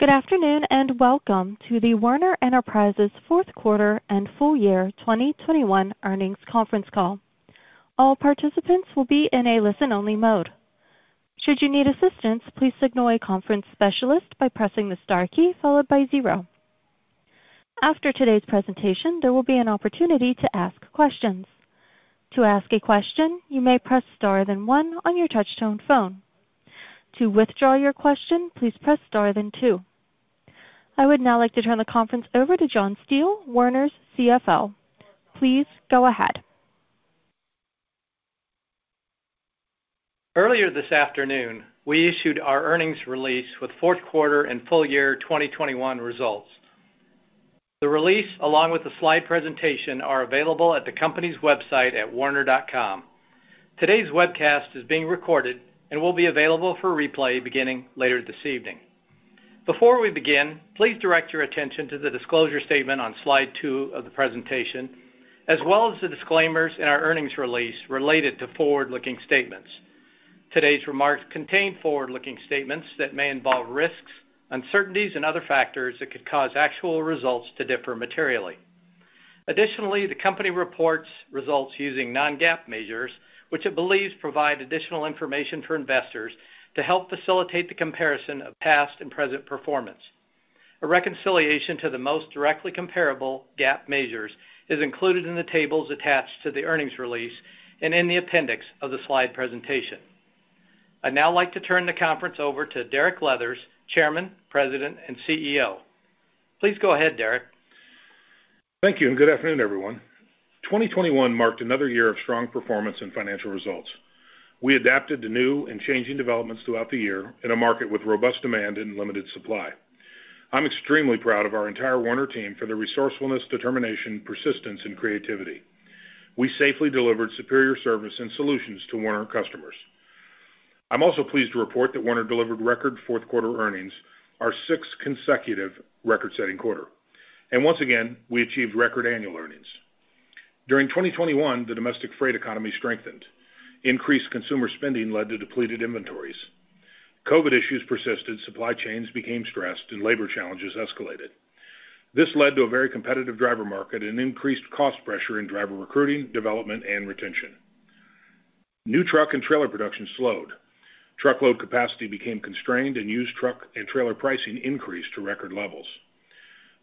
Good afternoon, and welcome to the Werner Enterprises' fourth quarter and full year 2021 earnings conference call. All participants will be in a listen-only mode. Should you need assistance, please signal a conference specialist by pressing the star key followed by zero. After today's presentation, there will be an opportunity to ask questions. To ask a question, you may press star then one on your Touch-Tone phone. To withdraw your question, please press star then two. I would now like to turn the conference over to John Steele, Werner's CFO. Please go ahead. Earlier this afternoon, we issued our earnings release with fourth quarter and full year 2021 results. The release, along with the slide presentation, are available at the company's website at werner.com. Today's webcast is being recorded and will be available for replay beginning later this evening. Before we begin, please direct your attention to the disclosure statement on slide 2 of the presentation, as well as the disclaimers in our earnings release related to forward-looking statements. Today's remarks contain forward-looking statements that may involve risks, uncertainties, and other factors that could cause actual results to differ materially. Additionally, the company reports results using non-GAAP measures, which it believes provide additional information for investors to help facilitate the comparison of past and present performance. A reconciliation to the most directly comparable GAAP measures is included in the tables attached to the earnings release and in the appendix of the slide presentation. I'd now like to turn the conference over to Derek Leathers, Chairman, President, and CEO. Please go ahead, Derek. Thank you, and good afternoon, everyone. 2021 marked another year of strong performance and financial results. We adapted to new and changing developments throughout the year in a market with robust demand and limited supply. I'm extremely proud of our entire Werner team for their resourcefulness, determination, persistence, and creativity. We safely delivered superior service and solutions to Werner customers. I'm also pleased to report that Werner delivered record fourth quarter earnings, our sixth consecutive record-setting quarter. Once again, we achieved record annual earnings. During 2021, the domestic freight economy strengthened. Increased consumer spending led to depleted inventories. COVID issues persisted, supply chains became stressed, and labor challenges escalated. This led to a very competitive driver market and increased cost pressure in driver recruiting, development, and retention. New truck and trailer production slowed. Truckload capacity became constrained, and used truck and trailer pricing increased to record levels.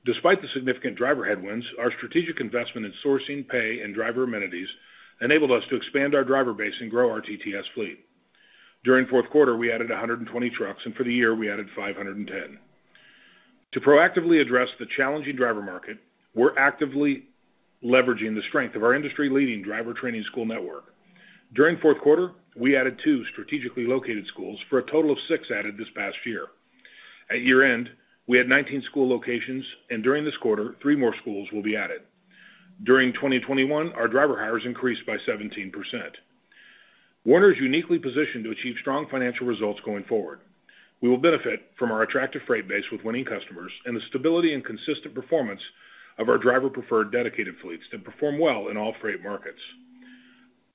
Despite the significant driver headwinds, our strategic investment in sourcing, pay, and driver amenities enabled us to expand our driver base and grow our TTS fleet. During fourth quarter, we added 120 trucks, and for the year, we added 510. To proactively address the challenging driver market, we're actively leveraging the strength of our industry-leading driver training school network. During fourth quarter, we added 2 strategically located schools for a total of 6 added this past year. At year-end, we had 19 school locations, and during this quarter, 3 more schools will be added. During 2021, our driver hires increased by 17%. Werner is uniquely positioned to achieve strong financial results going forward. We will benefit from our attractive freight base with winning customers and the stability and consistent performance of our driver-preferred dedicated fleets that perform well in all freight markets.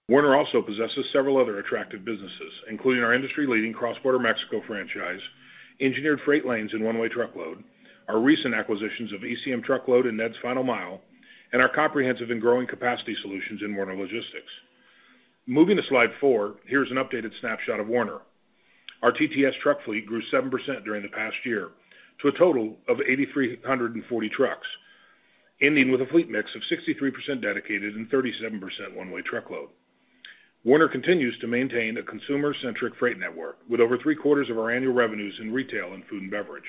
Werner also possesses several other attractive businesses, including our industry-leading Cross-border Mexico franchise, engineered freight lanes in one-way truckload, our recent acquisitions of ECM Transport Group and NEHDS Logistics, and our comprehensive and growing capacity solutions in Werner Logistics. Moving to slide 4, here's an updated snapshot of Werner. Our TTS truck fleet grew 7% during the past year to a total of 8,340 trucks, ending with a fleet mix of 63% dedicated and 37% one-way truckload. Werner continues to maintain a consumer-centric freight network with over three-quarters of our annual revenues in retail and food and beverage.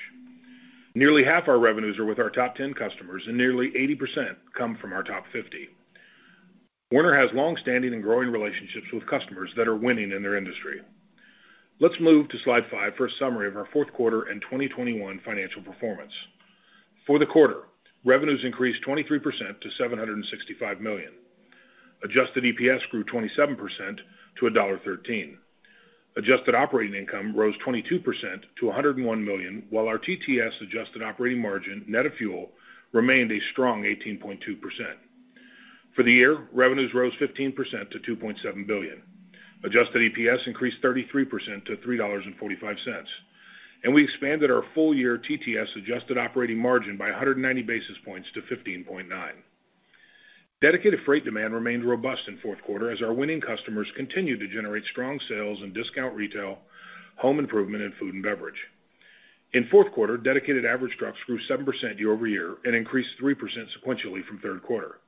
Nearly half our revenues are with our top 10 customers, and nearly 80% come from our top 50. Werner has longstanding and growing relationships with customers that are winning in their industry. Let's move to slide 5 for a summary of our fourth quarter and 2021 financial performance. For the quarter, revenues increased 23% to $765 million. Adjusted EPS grew 27% to $1.13. Adjusted operating income rose 22% to $101 million, while our TTS adjusted operating margin, net of fuel, remained a strong 18.2%. For the year, revenues rose 15% to $2.7 billion. Adjusted EPS increased 33% to $3.45, and we expanded our full-year TTS adjusted operating margin by 190 basis points to 15.9. Dedicated Freight demand remained robust in fourth quarter as our winning customers continued to generate strong sales in discount retail, home improvement, and food and beverage. In fourth quarter, Dedicated average trucks grew 7% year-over-year and increased 3% sequentially from third quarter.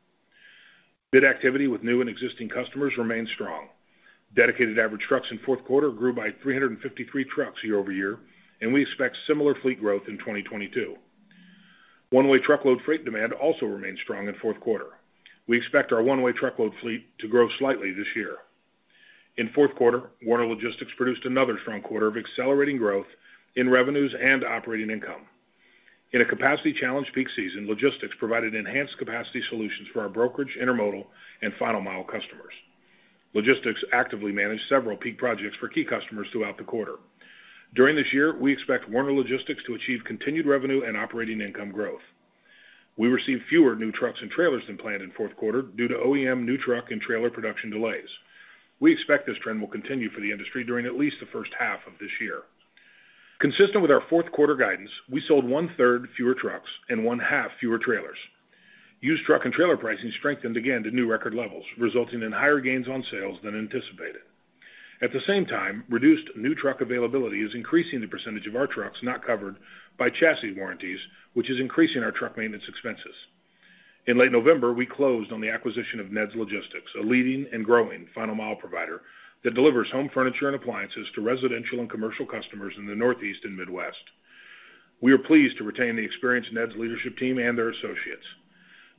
Bid activity with new and existing customers remained strong. Dedicated average trucks in fourth quarter grew by 353 trucks year-over-year, and we expect similar fleet growth in 2022. One-Way truckload freight demand also remained strong in fourth quarter. We expect our One-Way truckload fleet to grow slightly this year. In fourth quarter, Werner Logistics produced another strong quarter of accelerating growth in revenues and operating income. In a capacity-challenged peak season, Logistics provided enhanced capacity solutions for our brokerage, intermodal, and Final Mile customers. Logistics actively managed several peak projects for key customers throughout the quarter. During this year, we expect Werner Logistics to achieve continued revenue and operating income growth. We received fewer new trucks and trailers than planned in fourth quarter due to OEM new truck and trailer production delays. We expect this trend will continue for the industry during at least the first half of this year. Consistent with our fourth quarter guidance, we sold one-third fewer trucks and one-half fewer trailers. Used truck and trailer pricing strengthened again to new record levels, resulting in higher gains on sales than anticipated. At the same time, reduced new truck availability is increasing the percentage of our trucks not covered by chassis warranties, which is increasing our truck maintenance expenses. In late November, we closed on the acquisition of NEHDS Logistics, a leading and growing final mile provider that delivers home furniture and appliances to residential and commercial customers in the Northeast and Midwest. We are pleased to retain the experienced NEHDS leadership team and their associates.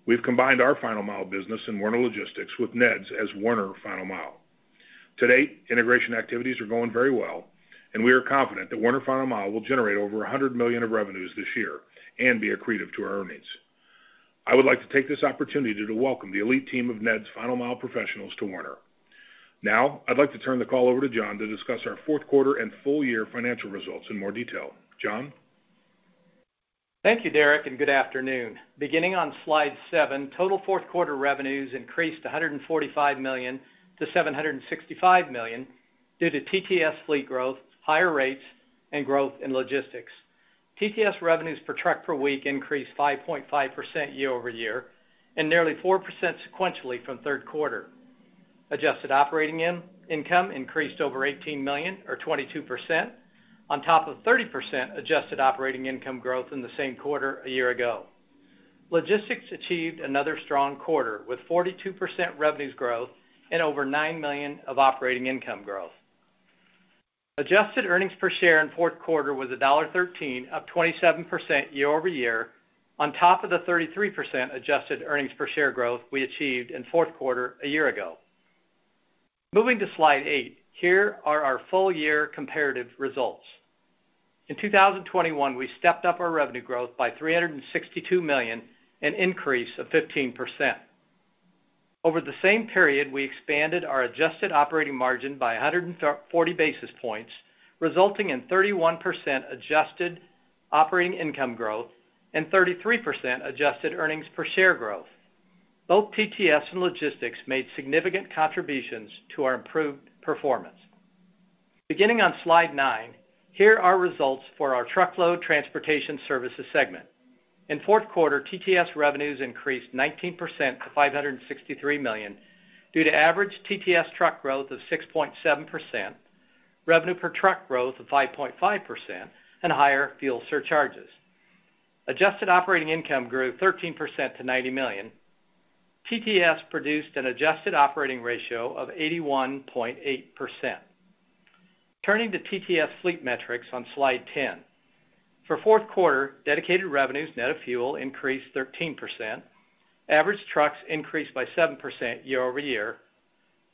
We've combined our final mile business in Werner Logistics with NEHDS as Werner Final Mile. To date, integration activities are going very well, and we are confident that Werner Final Mile will generate over $100 million of revenues this year and be accretive to our earnings. I would like to take this opportunity to welcome the elite team of NEHDS Final Mile professionals to Werner. Now, I'd like to turn the call over to John to discuss our fourth quarter and full year financial results in more detail. John? Thank you, Derek, and good afternoon. Beginning on slide 7, total fourth quarter revenues increased from $145 million-$765 million due to TTS fleet growth, higher rates, and growth in logistics. TTS revenues per truck per week increased 5.5% year-over-year and nearly 4% sequentially from third quarter. Adjusted operating income increased over $18 million or 22% on top of 30% adjusted operating income growth in the same quarter a year ago. Logistics achieved another strong quarter with 42% revenues growth and over $9 million of operating income growth. Adjusted earnings per share in fourth quarter was $1.13, up 27% year-over-year on top of the 33% adjusted earnings per share growth we achieved in fourth quarter a year ago. Moving to slide 8, here are our full year comparative results. In 2021, we stepped up our revenue growth by $362 million, an increase of 15%. Over the same period, we expanded our adjusted operating margin by 140 basis points, resulting in 31% adjusted operating income growth and 33% adjusted earnings per share growth. Both TTS and Logistics made significant contributions to our improved performance. Beginning on slide 9, here are results for our truckload transportation services segment. In fourth quarter, TTS revenues increased 19% to $563 million due to average TTS truck growth of 6.7%, revenue per truck growth of 5.5%, and higher fuel surcharges. Adjusted operating income grew 13% to $90 million. TTS produced an adjusted operating ratio of 81.8%. Turning to TTS fleet metrics on slide 10. For the fourth quarter, dedicated revenues net of fuel increased 13%. Average trucks increased by 7% year-over-year.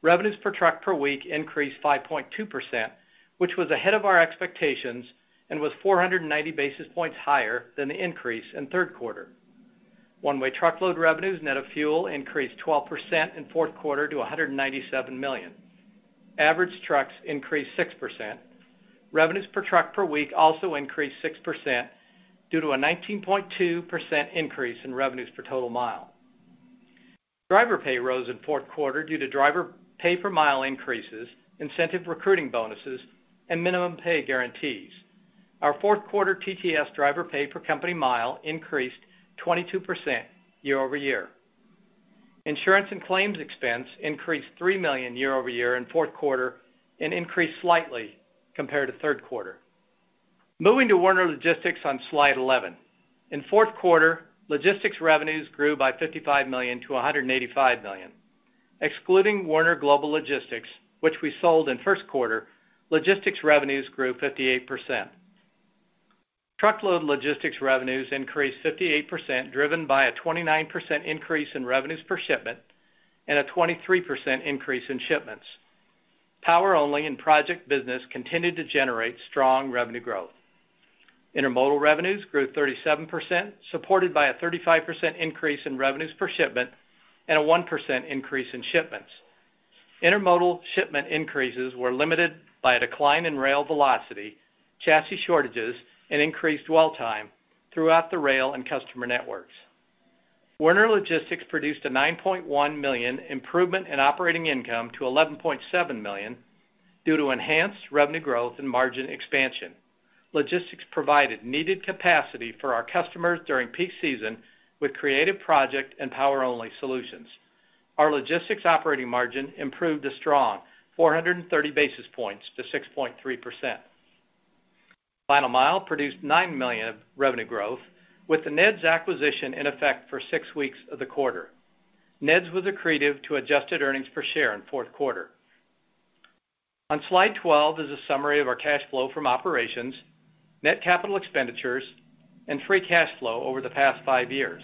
Revenues per truck per week increased 5.2%, which was ahead of our expectations and was 490 basis points higher than the increase in third quarter. One-way truckload revenues net of fuel increased 12% in fourth quarter to $197 million. Average trucks increased 6%. Revenues per truck per week also increased 6% due to a 19.2% increase in revenues per total mile. Driver pay rose in fourth quarter due to driver pay per mile increases, incentive recruiting bonuses, and minimum pay guarantees. Our fourth quarter TTS driver pay per company mile increased 22% year-over-year. Insurance and claims expense increased $3 million year-over-year in fourth quarter and increased slightly compared to third quarter. Moving to Werner Logistics on slide 11. In fourth quarter, Logistics revenues grew by $55 million to $185 million. Excluding Werner Global Logistics, which we sold in first quarter, Logistics revenues grew 58%. Truckload Logistics revenues increased 58%, driven by a 29% increase in revenues per shipment and a 23% increase in shipments. Power-only and project business continued to generate strong revenue growth. Intermodal revenues grew 37%, supported by a 35% increase in revenues per shipment and a 1% increase in shipments. Intermodal shipment increases were limited by a decline in rail velocity, chassis shortages, and increased dwell time throughout the rail and customer networks. Werner Logistics produced a $9.1 million improvement in operating income to $11.7 million due to enhanced revenue growth and margin expansion. Logistics provided needed capacity for our customers during peak season with creative project and power-only solutions. Our Logistics operating margin improved a strong 430 basis points to 6.3%. Final Mile produced $9 million of revenue growth with the NEHDS acquisition in effect for 6 weeks of the quarter. NEHDS was accretive to adjusted earnings per share in fourth quarter. On slide 12 is a summary of our cash flow from operations, net capital expenditures, and free cash flow over the past 5 years.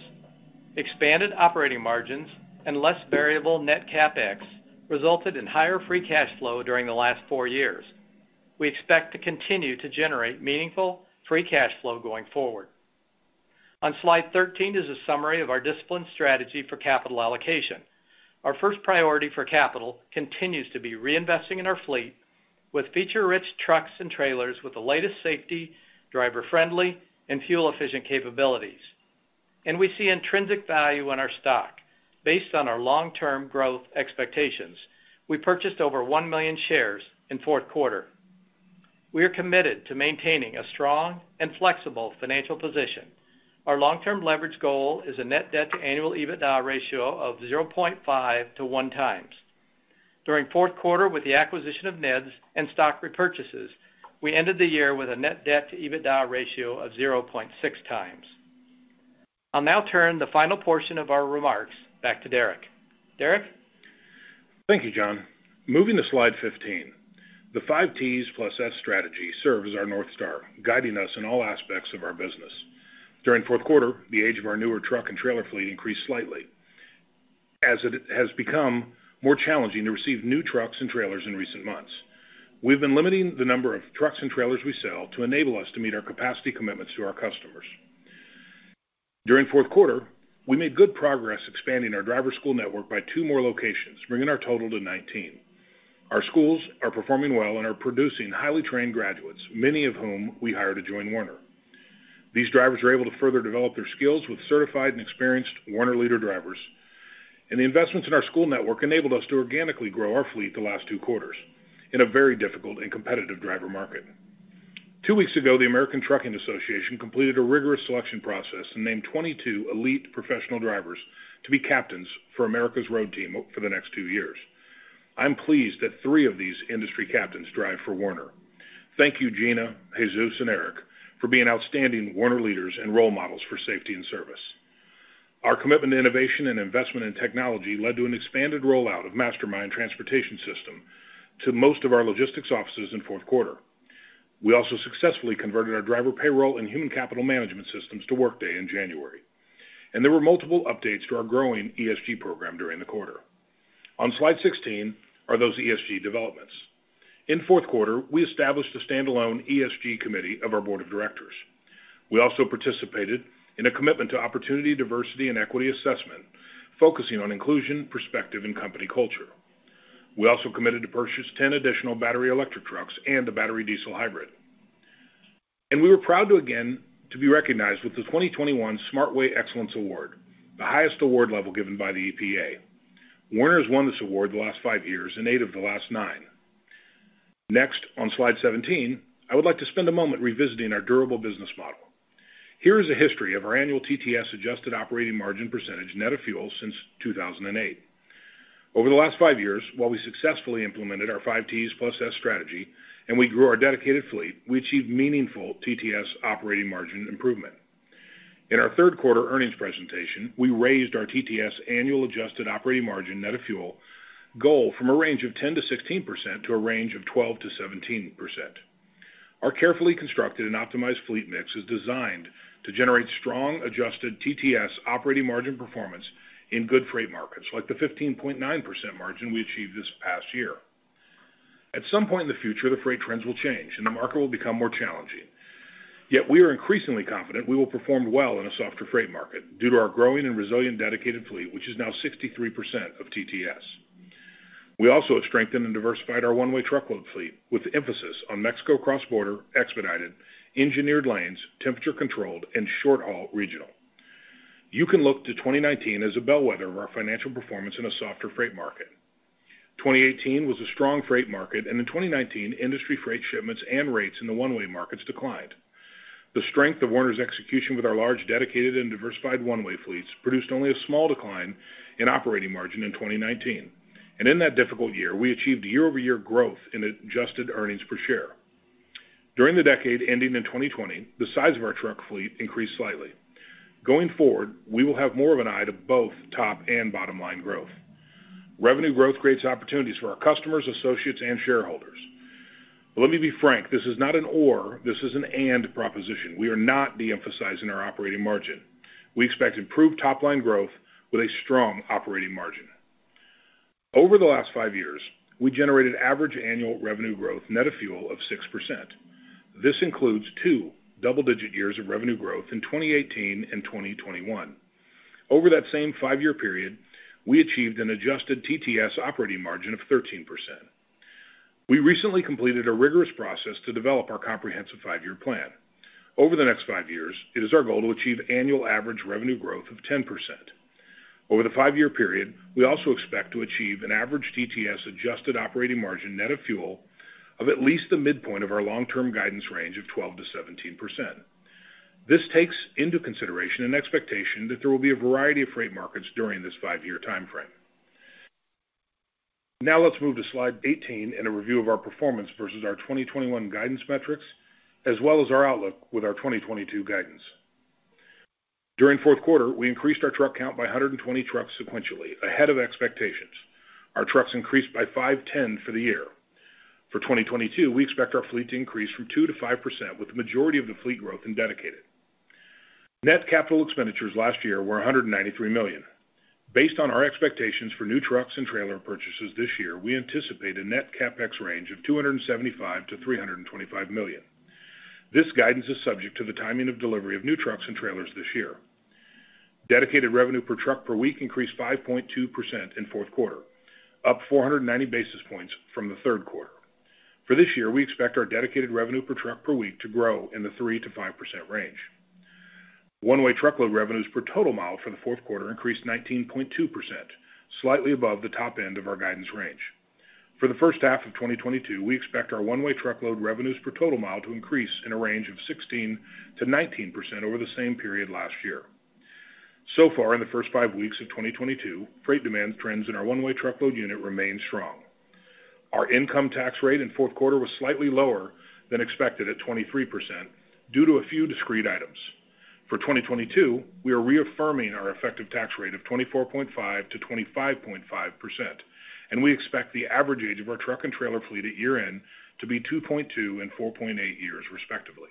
Expanded operating margins and less variable net CapEx resulted in higher free cash flow during the last 4 years. We expect to continue to generate meaningful free cash flow going forward. On slide 13 is a summary of our disciplined strategy for capital allocation. Our first priority for capital continues to be reinvesting in our fleet. With feature-rich trucks and trailers with the latest safety, driver-friendly, and fuel-efficient capabilities. We see intrinsic value in our stock based on our long-term growth expectations. We purchased over 1 million shares in fourth quarter. We are committed to maintaining a strong and flexible financial position. Our long-term leverage goal is a net debt to annual EBITDA ratio of 0.5x to 1x. During fourth quarter, with the acquisition of NEHDS and stock repurchases, we ended the year with a net debt to EBITDA ratio of 0.6x. I'll now turn the final portion of our remarks back to Derek. Derek? Thank you, John. Moving to slide 15. The Five T's plus S strategy serves as our North Star, guiding us in all aspects of our business. During fourth quarter, the age of our newer truck and trailer fleet increased slightly, as it has become more challenging to receive new trucks and trailers in recent months. We've been limiting the number of trucks and trailers we sell to enable us to meet our capacity commitments to our customers. During fourth quarter, we made good progress expanding our driver school network by 2 more locations, bringing our total to 19. Our schools are performing well and are producing highly trained graduates, many of whom we hire to join Werner. These drivers are able to further develop their skills with certified and experienced Werner leader drivers, and the investments in our school network enabled us to organically grow our fleet the last two quarters in a very difficult and competitive driver market. Two weeks ago, the American Trucking Associations completed a rigorous selection process and named 22 elite professional drivers to be captains for America's Road Team for the next two years. I'm pleased that three of these industry captains drive for Werner. Thank you, Gina, Jesus, and Eric, for being outstanding Werner leaders and role models for safety and service. Our commitment to innovation and investment in technology led to an expanded rollout of MasterMind Transportation System to most of our logistics offices in fourth quarter. We also successfully converted our driver payroll and human capital management systems to Workday in January, and there were multiple updates to our growing ESG program during the quarter. On slide 16 are those ESG developments. In fourth quarter, we established a standalone ESG committee of our board of directors. We also participated in a commitment to opportunity, diversity, and equity assessment, focusing on inclusion, perspective, and company culture. We also committed to purchase 10 additional battery electric trucks and a battery diesel hybrid. We were proud to again be recognized with the 2021 SmartWay Excellence Award, the highest award level given by the EPA. Werner has won this award the last five years and eight of the last nine. Next, on slide 17, I would like to spend a moment revisiting our durable business model. Here is a history of our annual TTS adjusted operating margin percentage net of fuel since 2008. Over the last five years, while we successfully implemented our Five T's plus S strategy and we grew our dedicated fleet, we achieved meaningful TTS operating margin improvement. In our third quarter earnings presentation, we raised our TTS annual adjusted operating margin net of fuel goal from a range of 10%-16% to a range of 12%-17%. Our carefully constructed and optimized fleet mix is designed to generate strong adjusted TTS operating margin performance in good freight markets, like the 15.9% margin we achieved this past year. At some point in the future, the freight trends will change and the market will become more challenging. Yet we are increasingly confident we will perform well in a softer freight market due to our growing and resilient dedicated fleet, which is now 63% of TTS. We also have strengthened and diversified our one-way truckload fleet with emphasis on Mexico cross-border, expedited, engineered lanes, temperature controlled, and short-haul regional. You can look to 2019 as a bellwether of our financial performance in a softer freight market. 2018 was a strong freight market, and in 2019, industry freight shipments and rates in the one-way markets declined. The strength of Werner's execution with our large, dedicated, and diversified one-way fleets produced only a small decline in operating margin in 2019. In that difficult year, we achieved year-over-year growth in adjusted earnings per share. During the decade ending in 2020, the size of our truck fleet increased slightly. Going forward, we will have more of an eye to both top and bottom-line growth. Revenue growth creates opportunities for our customers, associates, and shareholders. Let me be frank, this is not an or, this is an and proposition. We are not de-emphasizing our operating margin. We expect improved top-line growth with a strong operating margin. Over the last five years, we generated average annual revenue growth net of fuel of 6%. This includes two double-digit years of revenue growth in 2018 and 2021. Over that same five-year period, we achieved an adjusted TTS operating margin of 13%. We recently completed a rigorous process to develop our comprehensive five-year plan. Over the next five years, it is our goal to achieve annual average revenue growth of 10%. Over the five-year period, we also expect to achieve an average TTS adjusted operating margin net of fuel of at least the midpoint of our long-term guidance range of 12%-17%. This takes into consideration an expectation that there will be a variety of freight markets during this five-year timeframe. Now let's move to slide 18 and a review of our performance versus our 2021 guidance metrics, as well as our outlook with our 2022 guidance. During fourth quarter, we increased our truck count by 120 trucks sequentially, ahead of expectations. Our trucks increased by 510 for the year. For 2022, we expect our fleet to increase from 2%-5% with the majority of the fleet growth in dedicated. Net capital expenditures last year were $193 million. Based on our expectations for new trucks and trailer purchases this year, we anticipate a net CapEx range of $275 million-$325 million. This guidance is subject to the timing of delivery of new trucks and trailers this year. Dedicated revenue per truck per week increased 5.2% in fourth quarter, up 490 basis points from the third quarter. For this year, we expect our Dedicated revenue per truck per week to grow in the 3%-5% range. One-Way truckload revenues per total mile for the fourth quarter increased 19.2%, slightly above the top end of our guidance range. For the first half of 2022, we expect our One-Way truckload revenues per total mile to increase in a range of 16%-19% over the same period last year. So far, in the first 5 weeks of 2022, freight demand trends in our one-way truckload unit remain strong. Our income tax rate in fourth quarter was slightly lower than expected at 23% due to a few discrete items. For 2022, we are reaffirming our effective tax rate of 24.5%-25.5%, and we expect the average age of our truck and trailer fleet at year-end to be 2.2 and 4.8 years, respectively.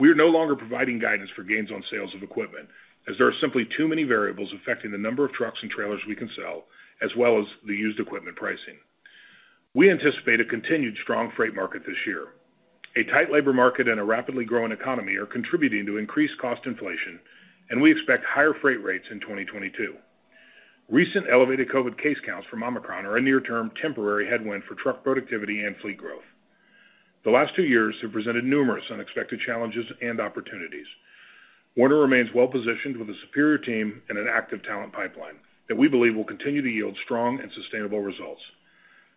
We are no longer providing guidance for gains on sales of equipment as there are simply too many variables affecting the number of trucks and trailers we can sell, as well as the used equipment pricing. We anticipate a continued strong freight market this year. A tight labor market and a rapidly growing economy are contributing to increased cost inflation, and we expect higher freight rates in 2022. Recent elevated COVID case counts from Omicron are a near-term temporary headwind for truck productivity and fleet growth. The last two years have presented numerous unexpected challenges and opportunities. Werner remains well positioned with a superior team and an active talent pipeline that we believe will continue to yield strong and sustainable results.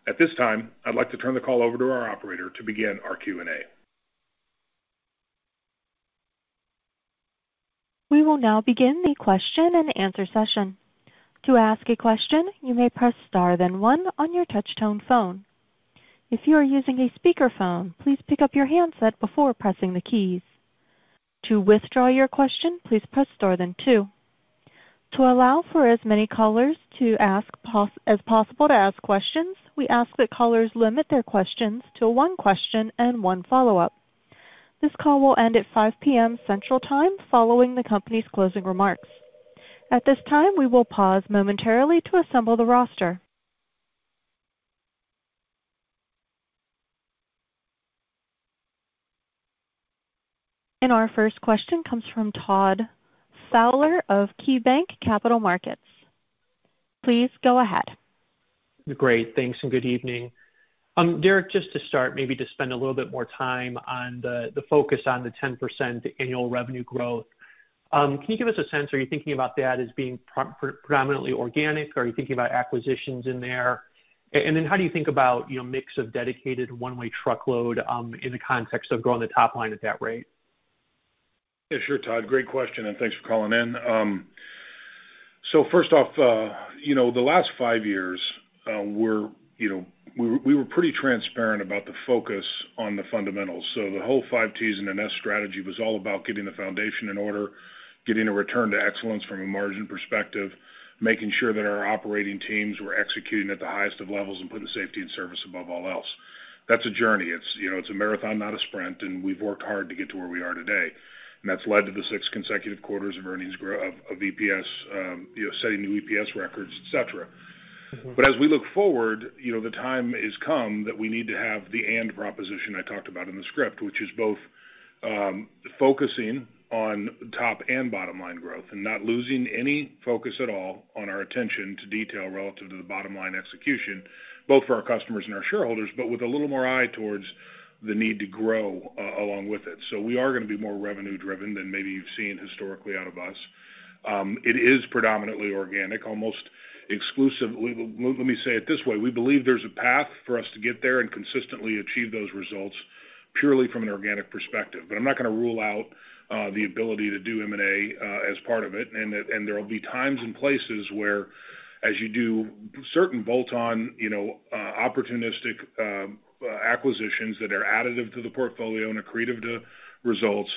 At this time, I'd like to turn the call over to our operator to begin our Q&A. We will now begin the question and answer session. To ask a question, you may press star then one on your touch tone phone. If you are using a speaker phone, please pick up your handset before pressing the keys. To withdraw your question, please press star then two. To allow for as many callers as possible to ask questions, we ask that callers limit their questions to one question and one follow-up. This call will end at 5 P.M. Central Time following the company's closing remarks. At this time, we will pause momentarily to assemble the roster. Our first question comes from Todd Fowler of KeyBanc Capital Markets. Please go ahead. Great. Thanks, and good evening. Derek, just to start, maybe to spend a little bit more time on the focus on the 10% annual revenue growth. Can you give us a sense, are you thinking about that as being predominantly organic? Are you thinking about acquisitions in there? And then how do you think about, you know, mix of dedicated one-way truckload in the context of growing the top line at that rate? Yeah, sure, Todd. Great question, and thanks for calling in. First off, you know, the last 5 years, we were pretty transparent about the focus on the fundamentals. The whole 5 T's and an S strategy was all about getting the foundation in order, getting a return to excellence from a margin perspective, making sure that our operating teams were executing at the highest of levels and putting safety and service above all else. That's a journey. It's a marathon, not a sprint, and we've worked hard to get to where we are today. That's led to the 6 consecutive quarters of EPS setting new EPS records, et cetera. As we look forward, you know, the time is come that we need to have the and proposition I talked about in the script, which is both, focusing on top and bottom line growth and not losing any focus at all on our attention to detail relative to the bottom line execution, both for our customers and our shareholders, but with a little more eye towards the need to grow along with it. We are gonna be more revenue driven than maybe you've seen historically out of us. It is predominantly organic, almost exclusive. Let me say it this way. We believe there's a path for us to get there and consistently achieve those results purely from an organic perspective. I'm not gonna rule out the ability to do M&A as part of it. There will be times and places whereas you do certain bolt-on, you know, opportunistic acquisitions that are additive to the portfolio and accretive to results,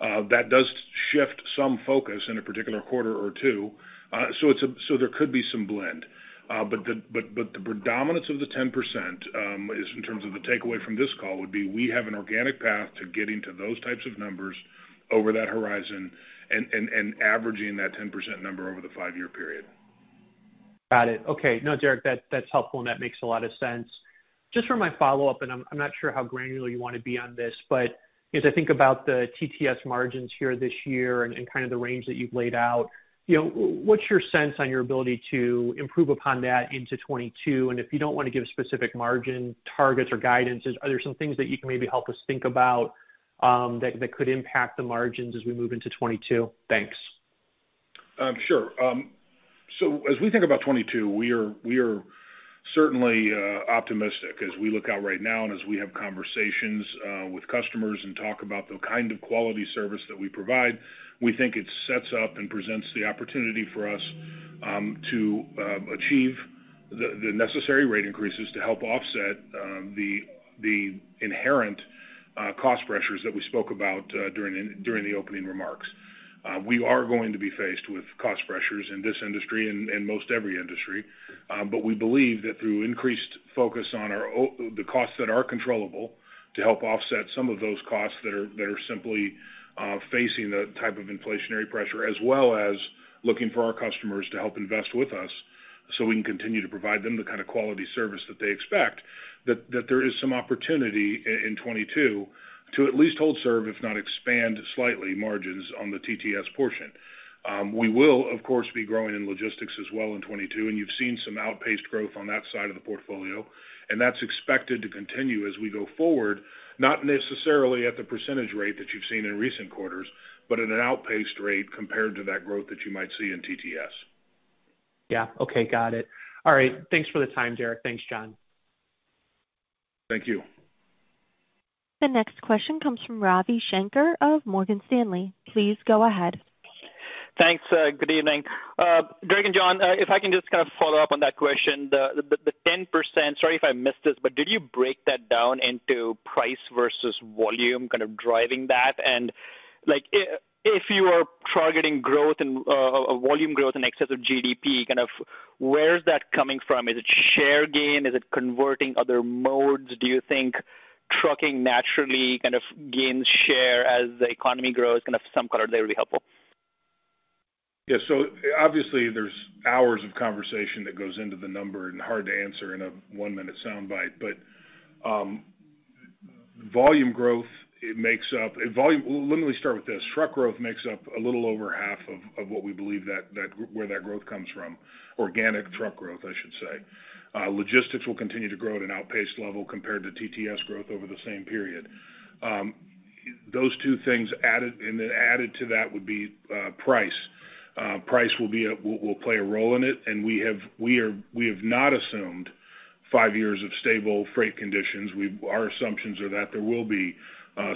that does shift some focus in a particular quarter or two. There could be some blend. The predominance of the 10% is in terms of the takeaway from this call would be we have an organic path to getting to those types of numbers over that horizon and averaging that 10% number over the five-year period. Got it. Okay. No, Derek, that's helpful, and that makes a lot of sense. Just for my follow-up, I'm not sure how granular you want to be on this, but as I think about the TTS margins here this year and kind of the range that you've laid out, you know, what's your sense on your ability to improve upon that into 2022? And if you don't want to give specific margin targets or guidances, are there some things that you can maybe help us think about, that could impact the margins as we move into 2022? Thanks. Sure. As we think about 2022, we are certainly optimistic as we look out right now and as we have conversations with customers and talk about the kind of quality service that we provide. We think it sets up and presents the opportunity for us to achieve the necessary rate increases to help offset the inherent cost pressures that we spoke about during the opening remarks. We are going to be faced with cost pressures in this industry and in most every industry. We believe that through increased focus on the costs that are controllable to help offset some of those costs that are simply facing the type of inflationary pressure, as well as looking for our customers to help invest with us so we can continue to provide them the kind of quality service that they expect, that there is some opportunity in 2022 to at least hold serve, if not expand slightly margins on the TTS portion. We will, of course, be growing in logistics as well in 2022, and you've seen some outpaced growth on that side of the portfolio, and that's expected to continue as we go forward, not necessarily at the percentage rate that you've seen in recent quarters, but at an outpaced rate compared to that growth that you might see in TTS. Yeah. Okay. Got it. All right. Thanks for the time, Derek. Thanks, John. Thank you. The next question comes from Ravi Shanker of Morgan Stanley. Please go ahead. Thanks. Good evening. Derek and John, if I can just kind of follow up on that question, the 10%, sorry if I missed this, but did you break that down into price versus volume kind of driving that? Like, if you are targeting growth and volume growth in excess of GDP, kind of where is that coming from? Is it share gain? Is it converting other modes? Do you think trucking naturally kind of gains share as the economy grows? Some color there would be helpful. Yeah. Obviously, there's hours of conversation that goes into the number and hard to answer in a 1-minute soundbite. Well, let me start with this. Truck growth makes up a little over half of what we believe where that growth comes from. Organic truck growth, I should say. Logistics will continue to grow at an outpaced level compared to TTS growth over the same period. Those two things added, and then added to that would be price. Price will play a role in it, and we have not assumed five years of stable freight conditions. Our assumptions are that there will be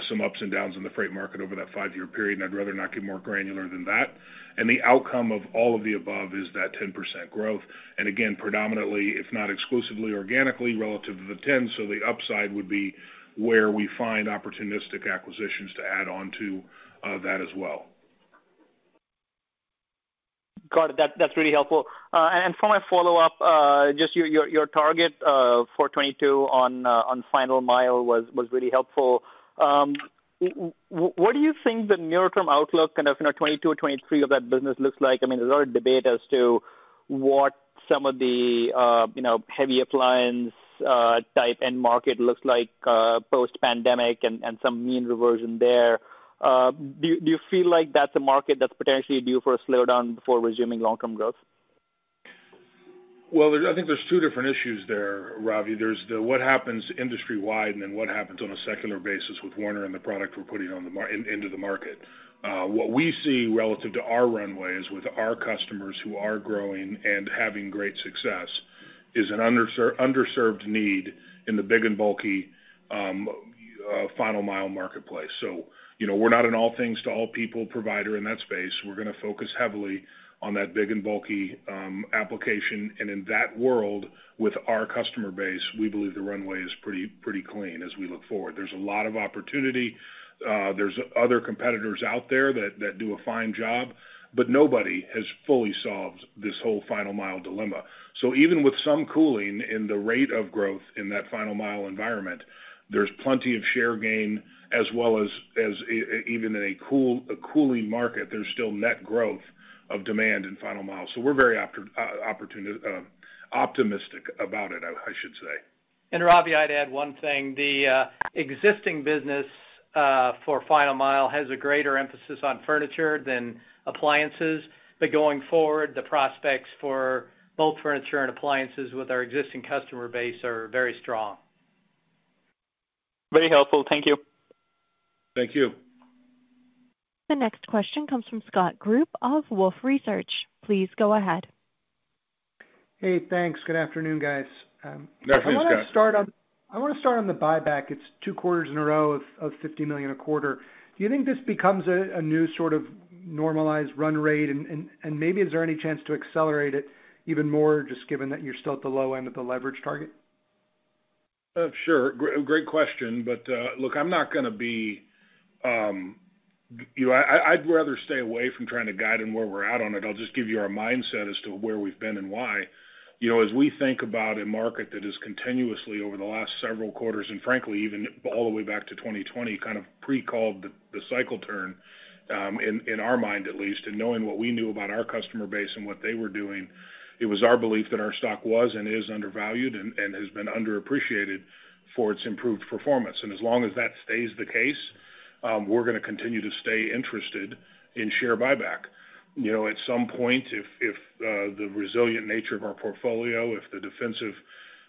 some ups and downs in the freight market over that five-year period, and I'd rather not get more granular than that. The outcome of all of the above is that 10% growth. Again, predominantly, if not exclusively, organically relative to the 10, so the upside would be where we find opportunistic acquisitions to add on to that as well. Got it. That's really helpful. For my follow-up, just your target for 2022 on final mile was really helpful. What do you think the near-term outlook kind of, you know, 2022 or 2023 of that business looks like? I mean, there's a lot of debate as to what some of the heavy appliance type end market looks like post-pandemic and some mean reversion there. Do you feel like that's a market that's potentially due for a slowdown before resuming long-term growth? Well, I think there's two different issues there, Ravi. There's the what happens industry-wide and then what happens on a secular basis with Werner and the product we're putting into the market. What we see relative to our runway is with our customers who are growing and having great success is an underserved need in the big and bulky final mile marketplace. You know, we're not an all things to all people provider in that space. We're going to focus heavily on that big and bulky application. In that world, with our customer base, we believe the runway is pretty clean as we look forward. There's a lot of opportunity. There's other competitors out there that do a fine job, but nobody has fully solved this whole final mile dilemma. Even with some cooling in the rate of growth in that final mile environment, there's plenty of share gain as well as even in a cooling market, there's still net growth of demand in final mile. We're very optimistic about it, I should say. Ravi, I'd add one thing. The existing business for final mile has a greater emphasis on furniture than appliances. Going forward, the prospects for both furniture and appliances with our existing customer base are very strong. Very helpful. Thank you. Thank you. The next question comes from Scott Group of Wolfe Research. Please go ahead. Hey, thanks. Good afternoon, guys. Afternoon, Scott. I want to start on the buyback. It's two quarters in a row of $50 million a quarter. Do you think this becomes a new sort of normalized run rate? Maybe is there any chance to accelerate it even more just given that you're still at the low end of the leverage target? Sure. Great question. But look, I'm not going to be, you know. I'd rather stay away from trying to guide on where we're at on it. I'll just give you our mindset as to where we've been and why. You know, as we think about a market that is continuously over the last several quarters, and frankly, even all the way back to 2020, kind of pre-called the cycle turn, in our mind at least, and knowing what we knew about our customer base and what they were doing, it was our belief that our stock was and is undervalued and has been underappreciated for its improved performance. As long as that stays the case, we're going to continue to stay interested in share buyback. You know, at some point, if the resilient nature of our portfolio, if the defensive,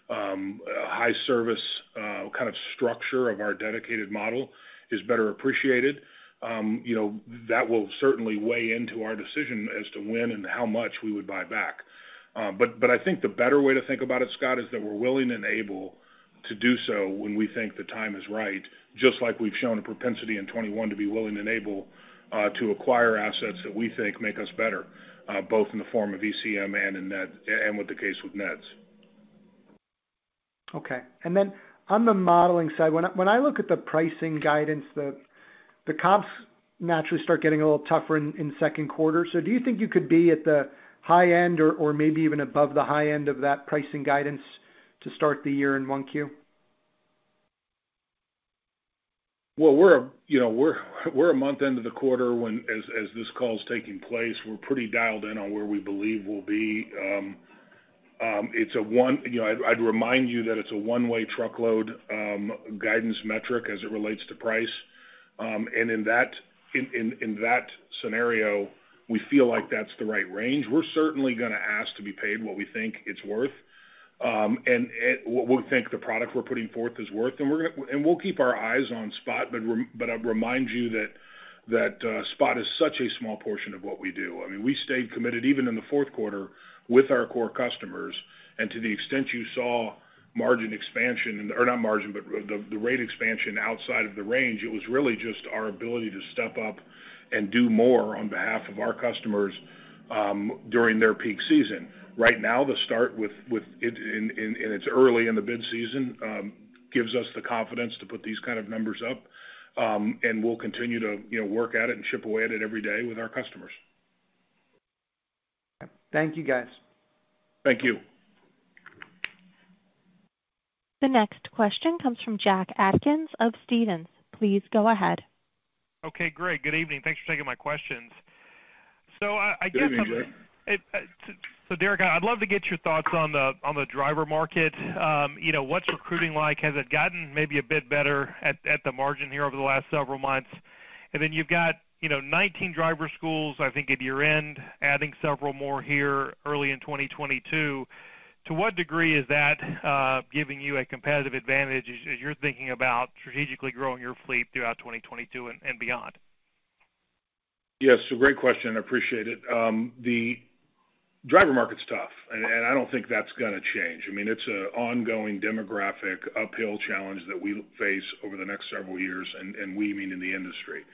high service, kind of structure of our dedicated model is better appreciated, you know, that will certainly weigh into our decision as to when and how much we would buy back. I think the better way to think about it, Scott, is that we're willing and able to do so when we think the time is right, just like we've shown a propensity in 2021 to be willing and able to acquire assets that we think make us better, both in the form of ECM and in the case with NEHDS. Okay. On the modeling side, when I look at the pricing guidance, the comps naturally start getting a little tougher in second quarter. Do you think you could be at the high end or maybe even above the high end of that pricing guidance to start the year in 1Q? Well, you know, we're a month into the quarter when, as this call is taking place, we're pretty dialed in on where we believe we'll be. You know, I'd remind you that it's a One-Way truckload guidance metric as it relates to price. In that scenario, we feel like that's the right range. We're certainly going to ask to be paid what we think it's worth, and what we think the product we're putting forth is worth. We'll keep our eyes on spot. I'd remind you that spot is such a small portion of what we do. I mean, we stayed committed even in the fourth quarter with our core customers. To the extent you saw margin expansion or not margin, but the rate expansion outside of the range, it was really just our ability to step up and do more on behalf of our customers during their peak season. Right now, the start within and it's early in the bid season gives us the confidence to put these kind of numbers up. We'll continue to, you know, work at it and chip away at it every day with our customers. Thank you, guys. Thank you. The next question comes from Jack Atkins of Stephens. Please go ahead. Okay, great. Good evening. Thanks for taking my questions. I guess- Good evening, Jack. Derek, I'd love to get your thoughts on the driver market. You know, what's recruiting like? Has it gotten maybe a bit better at the margin here over the last several months? Then you've got, you know, 19 driver schools, I think at your end, adding several more here early in 2022. To what degree is that giving you a competitive advantage as you're thinking about strategically growing your fleet throughout 2022 and beyond? Yes, great question. I appreciate it. The driver's market tough, and I don't think that's going to change. I mean, it's an ongoing demographic uphill challenge that we face over the next several years, and we mean in the industry.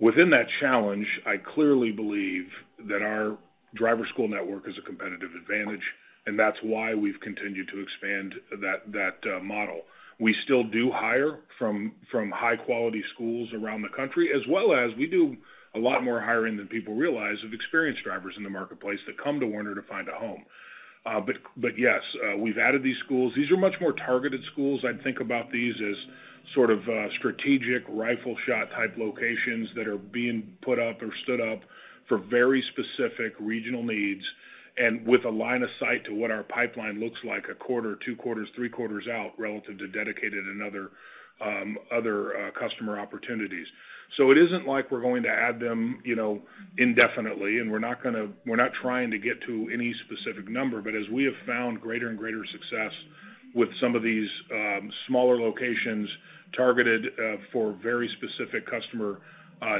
Within that challenge, I clearly believe that our driver school network is a competitive advantage, and that's why we've continued to expand that model. We still do hire from high-quality schools around the country, as well as we do a lot more hiring than people realize of experienced drivers in the marketplace that come to Werner to find a home. Yes, we've added these schools. These are much more targeted schools. I'd think about these as sort of strategic rifle shot type locations that are being put up or stood up for very specific regional needs and with a line of sight to what our pipeline looks like a quarter, 2 quarters, 3 quarters out relative to dedicated and other customer opportunities. It isn't like we're going to add them, you know, indefinitely, and we're not trying to get to any specific number. As we have found greater and greater success with some of these smaller locations targeted for very specific customer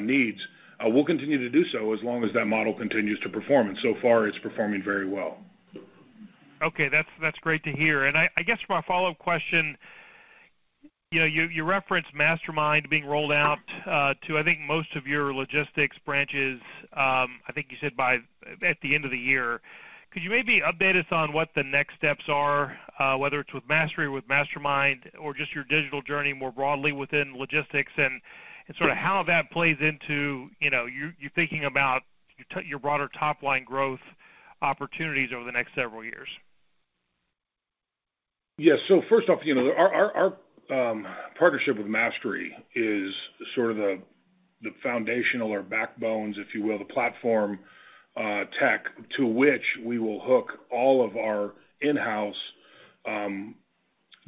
needs, we'll continue to do so as long as that model continues to perform. So far it's performing very well. Okay. That's great to hear. I guess for my follow-up question, you know, you referenced MasterMind being rolled out to I think most of your logistics branches, I think you said by at the end of the year. Could you maybe update us on what the next steps are, whether it's with Mastery, with MasterMind, or just your digital journey more broadly within logistics and sort of how that plays into, you know, you thinking about your broader top-line growth opportunities over the next several years? Yes. First off, you know, our partnership with Mastery is sort of the foundational or backbone, if you will, the platform, tech to which we will hook all of our in-house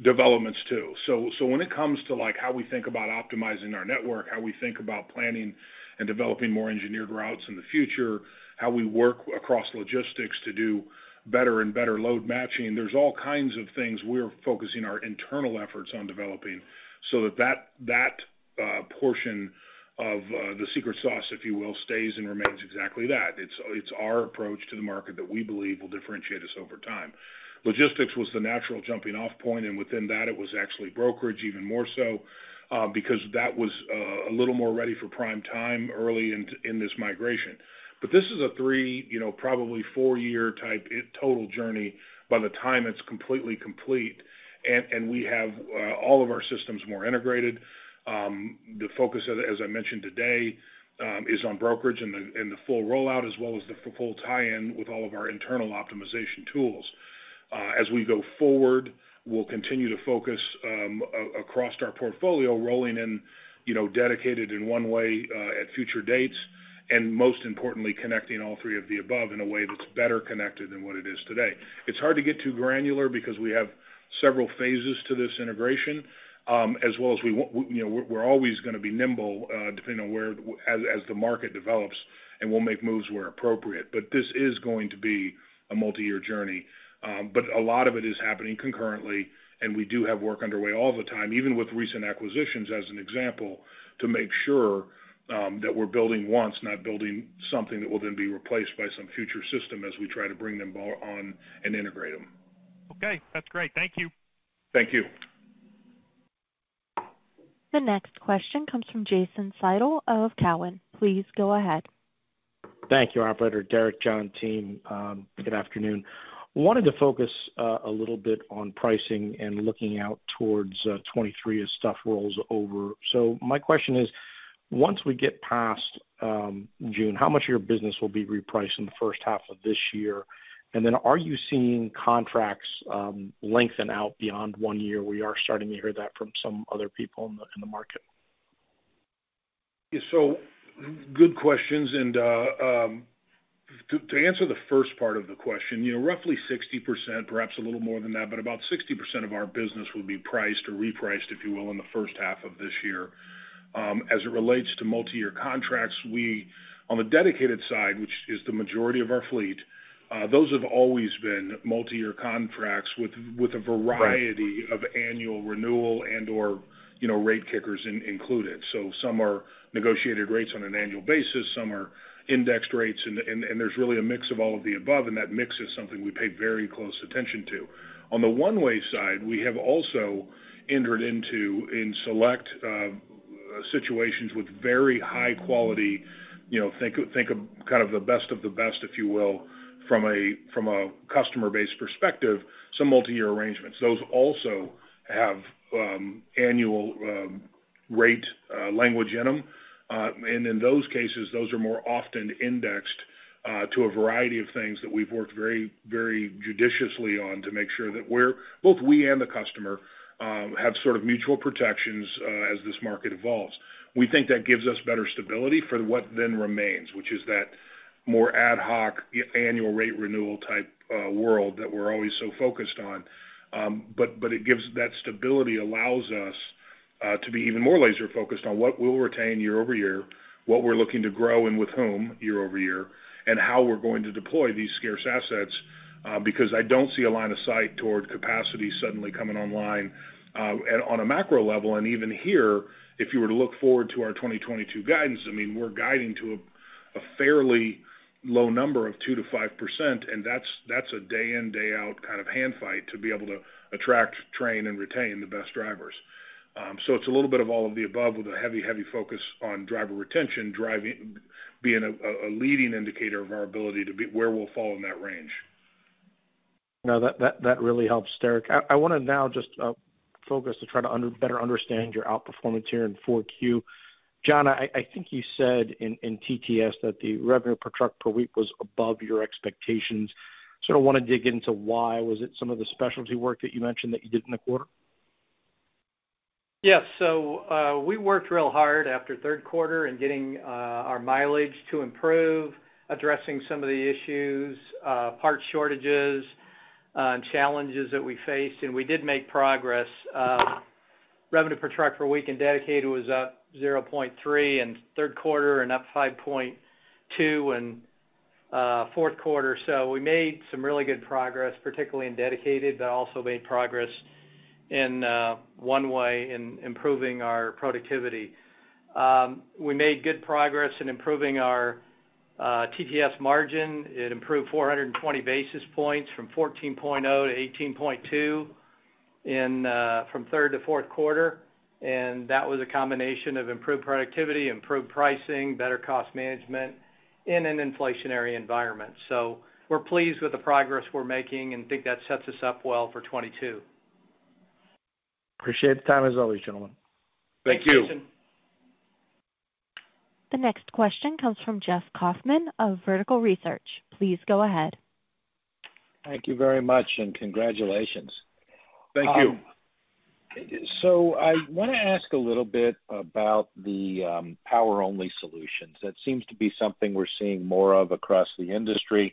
developments to. When it comes to, like, how we think about optimizing our network, how we think about planning and developing more engineered routes in the future, how we work across logistics to do better and better load matching, there's all kinds of things we're focusing our internal efforts on developing so that that portion of the secret sauce, if you will, stays and remains exactly that. It's our approach to the market that we believe will differentiate us over time. Logistics was the natural jumping-off point, and within that, it was actually brokerage even more so, because that was a little more ready for prime time early in this migration. This is a three, you know, probably four-year type total journey by the time it's completely complete, and we have all of our systems more integrated. The focus, as I mentioned today, is on brokerage and the full rollout, as well as the full tie-in with all of our internal optimization tools. As we go forward, we'll continue to focus across our portfolio, rolling in, you know, Dedicated and One-Way at future dates, and most importantly, connecting all three of the above in a way that's better connected than what it is today. It's hard to get too granular because we have several phases to this integration, as well as we, you know, we're always going to be nimble, depending on, as the market develops, and we'll make moves where appropriate. This is going to be a multi-year journey, but a lot of it is happening concurrently, and we do have work underway all the time, even with recent acquisitions as an example, to make sure that we're building once, not building something that will then be replaced by some future system as we try to bring them on and integrate them. Okay, that's great. Thank you. Thank you. The next question comes from Jason Seidl of Cowen. Please go ahead. Thank you, operator. Derek, John, team, good afternoon. Wanted to focus a little bit on pricing and looking out towards 2023 as stuff rolls over. My question is, once we get past June, how much of your business will be repriced in the first half of this year? And then are you seeing contracts lengthen out beyond one year? We are starting to hear that from some other people in the market. Good questions. To answer the first part of the question, you know, roughly 60%, perhaps a little more than that, but about 60% of our business will be priced or repriced, if you will, in the first half of this year. As it relates to multi-year contracts, we on the dedicated side, which is the majority of our fleet, those have always been multi-year contracts with a variety- Right Of annual renewal and, or, you know, rate kickers included. Some are negotiated rates on an annual basis, some are indexed rates and there's really a mix of all of the above, and that mix is something we pay very close attention to. On the One-Way side, we have also entered into select situations with very high quality, you know, think of kind of the best of the best, if you will, from a customer base perspective, some multi-year arrangements. Those also have annual rate language in them. In those cases, those are more often indexed to a variety of things that we've worked very, very judiciously on to make sure that we're both we and the customer have sort of mutual protections as this market evolves. We think that gives us better stability for what then remains, which is that more ad hoc annual rate renewal type world that we're always so focused on. It gives that stability allows us to be even more laser-focused on what we'll retain year-over-year, what we're looking to grow and with whom year-over-year, and how we're going to deploy these scarce assets because I don't see a line of sight toward capacity suddenly coming online and on a macro level, and even here, if you were to look forward to our 2022 guidance. I mean, we're guiding to a fairly low number of 2%-5%, and that's a day in, day out kind of hand fight to be able to attract, train, and retain the best drivers. It's a little bit of all of the above with a heavy focus on driver retention, driving being a leading indicator of our ability to be where we'll fall in that range. No, that really helps, Derek. I want to now just focus to try to better understand your outperformance here in 4Q. John, I think you said in TTS that the revenue per truck per week was above your expectations. I sort of want to dig into why. Was it some of the specialty work that you mentioned that you did in the quarter? Yes. We worked real hard after third quarter in getting our mileage to improve, addressing some of the issues, part shortages, challenges that we faced, and we did make progress. Revenue per truck per week in Dedicated was up 0.3 in third quarter and up 5.2 in fourth quarter. We made some really good progress, particularly in Dedicated, but also made progress in One-Way in improving our productivity. We made good progress in improving our TTS margin. It improved 420 basis points from 14.0% to 8.2% from third to fourth quarter. That was a combination of improved productivity, improved pricing, better cost management in an inflationary environment. We're pleased with the progress we're making and think that sets us up well for 2022. Appreciate the time as always, gentlemen. Thank you. Thanks, Jason. The next question comes from Jeff Kauffman of Vertical Research. Please go ahead. Thank you very much, and congratulations. Thank you. I want to ask a little bit about the power-only solutions. That seems to be something we're seeing more of across the industry, and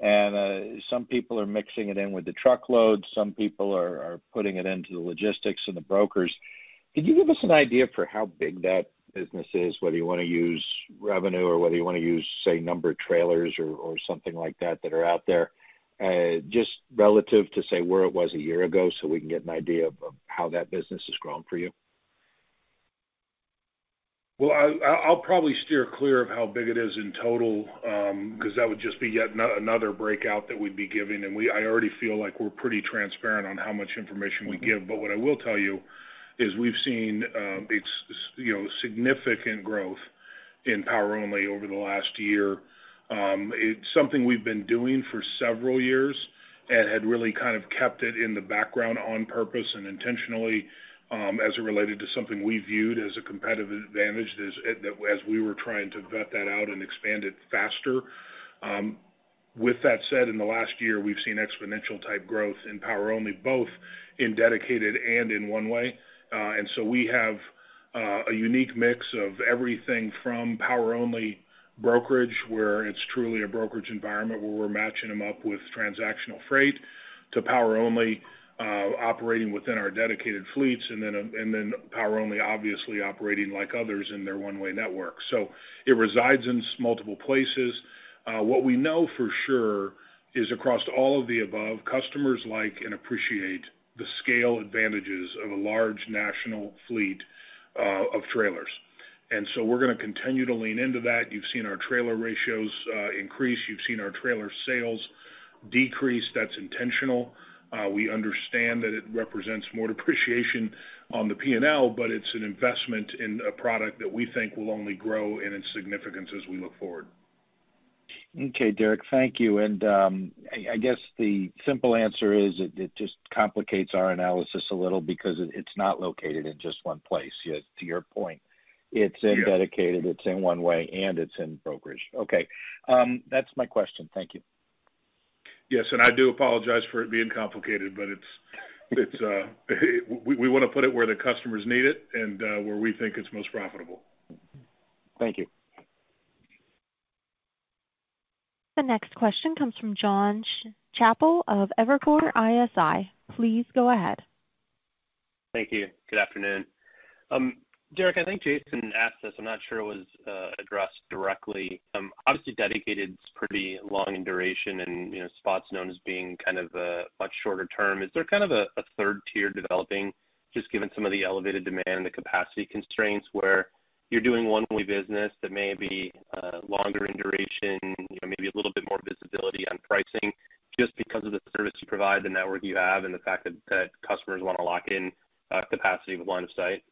some people are mixing it in with the truckload, some people are putting it into the logistics and the brokers. Could you give us an idea for how big that business is, whether you want to use revenue or whether you want to use, say, number of trailers or something like that are out there, just relative to, say, where it was a year ago so we can get an idea of how that business has grown for you? Well, I'll probably steer clear of how big it is in total, because that would just be yet another breakout that we'd be giving, and I already feel like we're pretty transparent on how much information we give. What I will tell you is we've seen, you know, significant growth in power-only over the last year. It's something we've been doing for several years and had really kind of kept it in the background on purpose and intentionally, as it related to something we viewed as a competitive advantage as we were trying to vet that out and expand it faster. With that said, in the last year, we've seen exponential type growth in power only, both in Dedicated and in One-Way. We have a unique mix of everything from power-only brokerage, where it's truly a brokerage environment where we're matching them up with transactional freight to power-only operating within our dedicated fleets, and then power-only, obviously operating like others in their One-Way network. It resides in multiple places. What we know for sure is across all of the above, customers like and appreciate the scale advantages of a large national fleet of trailers. We're going to continue to lean into that. You've seen our trailer ratios increase. You've seen our trailer sales decrease. That's intentional. We understand that it represents more depreciation on the P&L, but it's an investment in a product that we think will only grow in its significance as we look forward. Okay, Derek, thank you. I guess the simple answer is it just complicates our analysis a little because it's not located in just one place. Yet, to your point, it's in Dedicated, it's in One-Way, and it's in brokerage. Okay. That's my question. Thank you. Yes. I do apologize for it being complicated, but it's we wanna put it where the customers need it and where we think it's most profitable. Thank you. The next question comes from Jon Chappell of Evercore ISI. Please go ahead. Thank you. Good afternoon. Derek, I think Jason asked this. I'm not sure it was addressed directly. Obviously, dedicated is pretty long in duration and, you know, spot's known as being kind of much shorter term. Is there kind of a third tier developing, just given some of the elevated demand and the capacity constraints where you're doing one-way business that may be longer in duration, you know, maybe a little bit more visibility on pricing just because of the service you provide, the network you have, and the fact that customers wanna lock in capacity with one site?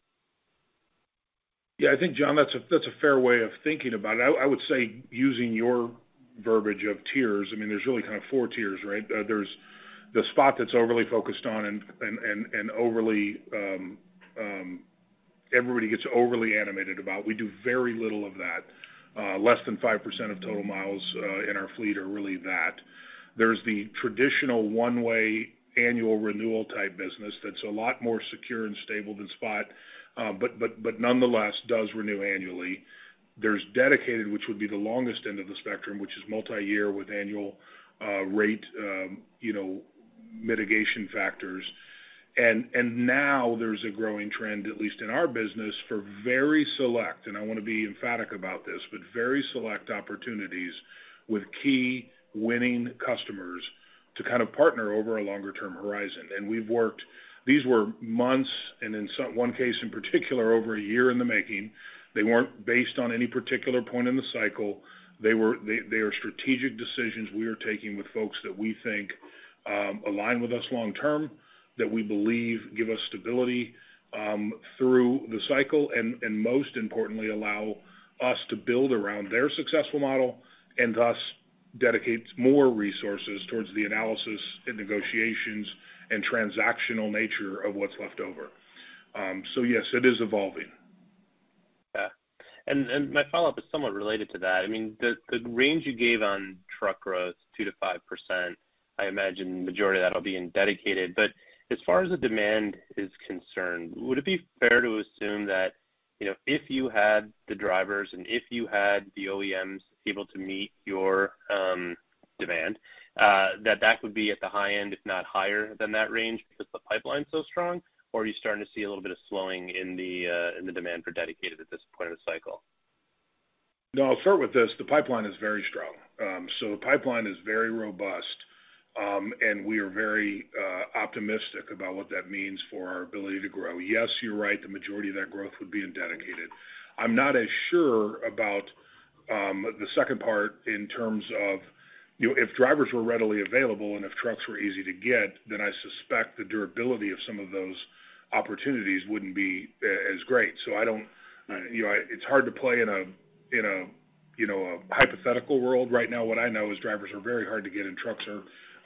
Yeah. I think, Jon, that's a fair way of thinking about it. I would say using your verbiage of tiers, I mean, there's really kind of four tiers, right? There's the spot that's overly focused on and overly everybody gets overly animated about. We do very little of that. Less than 5% of total miles in our fleet are really that. There's the traditional One-Way annual renewal type business that's a lot more secure and stable than spot, but nonetheless does renew annually. There's dedicated, which would be the longest end of the spectrum, which is multiyear with annual rate, you know, mitigation factors. Now there's a growing trend, at least in our business, for very select, and I wanna be emphatic about this, but very select opportunities with key winning customers to kind of partner over a longer term horizon. These were months, and in some one case in particular, over a year in the making. They weren't based on any particular point in the cycle. They are strategic decisions we are taking with folks that we think align with us long term, that we believe give us stability through the cycle, and most importantly, allow us to build around their successful model and thus dedicate more resources towards the analysis and negotiations and transactional nature of what's left over. Yes, it is evolving. Yeah. My follow-up is somewhat related to that. I mean, the range you gave on truck growth, 2%-5%, I imagine the majority of that will be in dedicated. But as far as the demand is concerned, would it be fair to assume that, you know, if you had the drivers and if you had the OEMs able to meet your demand, that would be at the high end, if not higher than that range because the pipeline's so strong? Or are you starting to see a little bit of slowing in the demand for dedicated at this point of the cycle? No, I'll start with this. The pipeline is very strong. The pipeline is very robust, and we are very optimistic about what that means for our ability to grow. Yes, you're right. The majority of that growth would be in dedicated. I'm not as sure about the second part in terms of, you know, if drivers were readily available and if trucks were easy to get, then I suspect the durability of some of those opportunities wouldn't be as great. You know, it's hard to play in a, you know, a hypothetical world right now. What I know is drivers are very hard to get, and trucks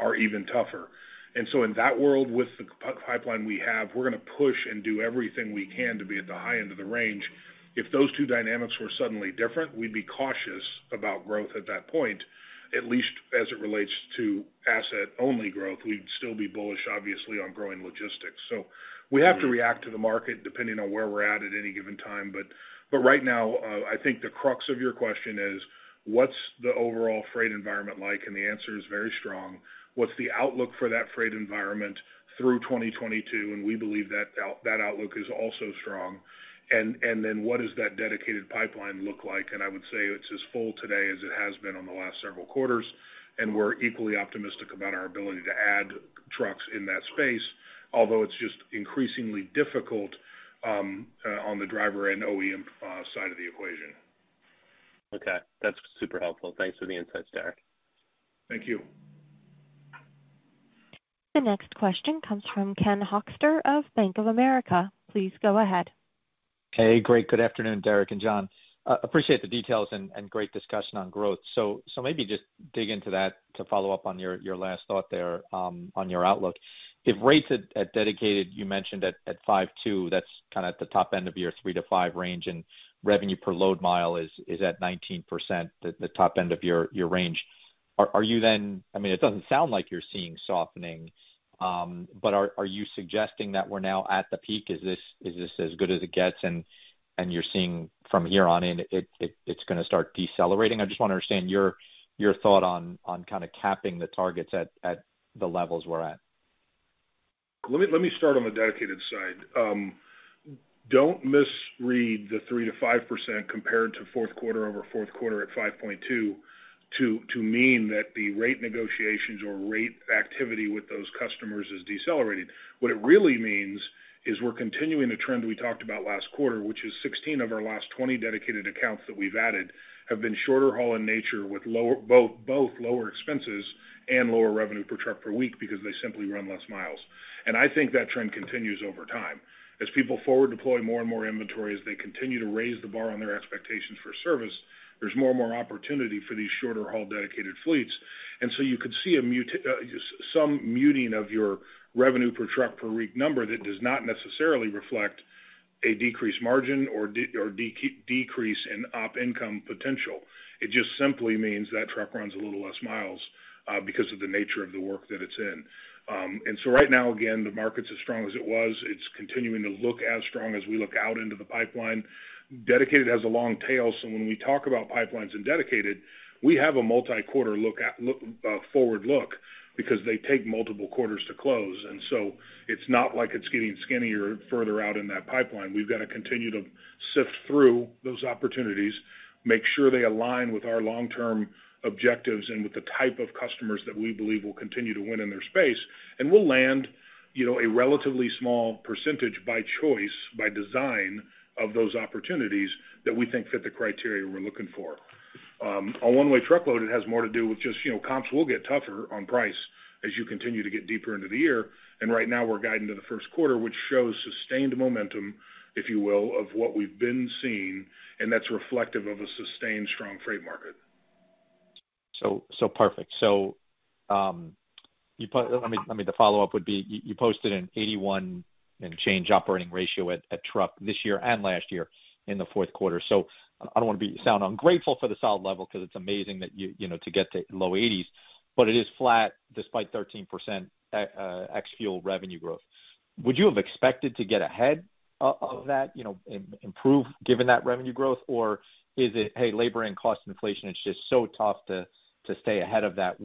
are even tougher. In that world, with the pipeline we have, we're gonna push and do everything we can to be at the high end of the range. If those two dynamics were suddenly different, we'd be cautious about growth at that point, at least as it relates to asset-only growth. We'd still be bullish, obviously, on growing logistics. We have to react to the market depending on where we're at at any given time, but right now, I think the crux of your question is what's the overall freight environment like? The answer is very strong. What's the outlook for that freight environment through 2022? We believe that that outlook is also strong. Then what does that dedicated pipeline look like? I would say it's as full today as it has been on the last several quarters, and we're equally optimistic about our ability to add trucks in that space. Although it's just increasingly difficult on the driver and OEM side of the equation. Okay. That's super helpful. Thanks for the insights, Derek. Thank you. The next question comes from Ken Hoexter of Bank of America. Please go ahead. Hey. Great. Good afternoon, Derek and John. Appreciate the details and great discussion on growth. Maybe just dig into that to follow up on your last thought there on your outlook. If rates at dedicated you mentioned at 5.2, that's kinda at the top end of your 3-5 range, and revenue per load mile is at 19%, the top end of your range. Are you then? I mean, it doesn't sound like you're seeing softening, but are you suggesting that we're now at the peak? Is this as good as it gets, and you're seeing from here on in it it's gonna start decelerating? I just wanna understand your thought on kinda capping the targets at the levels we're at. Let me start on the dedicated side. Don't misread the 3%-5% compared to fourth quarter over fourth quarter at 5.2 to mean that the rate negotiations or rate activity with those customers is decelerating. What it really means is we're continuing the trend we talked about last quarter, which is 16 of our last 20 dedicated accounts that we've added have been shorter haul in nature with both lower expenses and lower revenue per truck per week because they simply run less miles. I think that trend continues over time. As people forward deploy more and more inventory, as they continue to raise the bar on their expectations for service, there's more and more opportunity for these shorter haul dedicated fleets. You could see some muting of your revenue per truck per week number that does not necessarily reflect a decreased margin or decrease in op income potential. It just simply means that truck runs a little less miles because of the nature of the work that it's in. Right now, again, the market's as strong as it was. It's continuing to look as strong as we look out into the pipeline. Dedicated has a long tail, so when we talk about pipelines and dedicated, we have a multi-quarter look at forward look because they take multiple quarters to close. It's not like it's getting skinnier further out in that pipeline. We've got to continue to sift through those opportunities, make sure they align with our long-term objectives and with the type of customers that we believe will continue to win in their space. We'll land, you know, a relatively small percentage by choice, by design of those opportunities that we think fit the criteria we're looking for. On One-Way truckload, it has more to do with just, you know, comps will get tougher on price as you continue to get deeper into the year. Right now, we're guiding to the first quarter, which shows sustained momentum, if you will, of what we've been seeing, and that's reflective of a sustained strong freight market. Perfect. I mean, the follow-up would be, you posted an 81 and change operating ratio at truck this year and last year in the fourth quarter. I don't want to sound ungrateful for the solid level because it's amazing that you know to get to low 80s, but it is flat despite 13% ex-fuel revenue growth. Would you have expected to get ahead of that, you know, improve given that revenue growth? Or is it, hey, labor and cost inflation, it's just so tough to stay ahead of that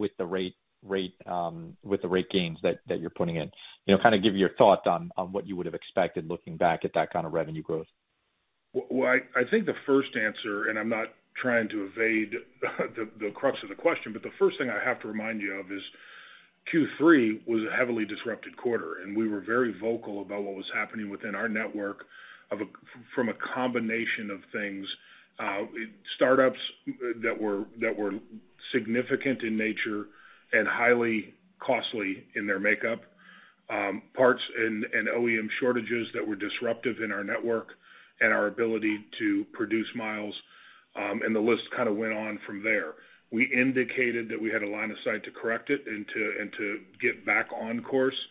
with the rate gains that you're putting in? You know, kind of give your thoughts on what you would have expected looking back at that kind of revenue growth. Well, I think the first answer, and I'm not trying to evade the crux of the question, but the first thing I have to remind you of is Q3 was a heavily disrupted quarter, and we were very vocal about what was happening within our network from a combination of things, startups that were significant in nature and highly costly in their makeup, parts and OEM shortages that were disruptive in our network and our ability to produce miles, and the list kind of went on from there. We indicated that we had a line of sight to correct it and to get back on course,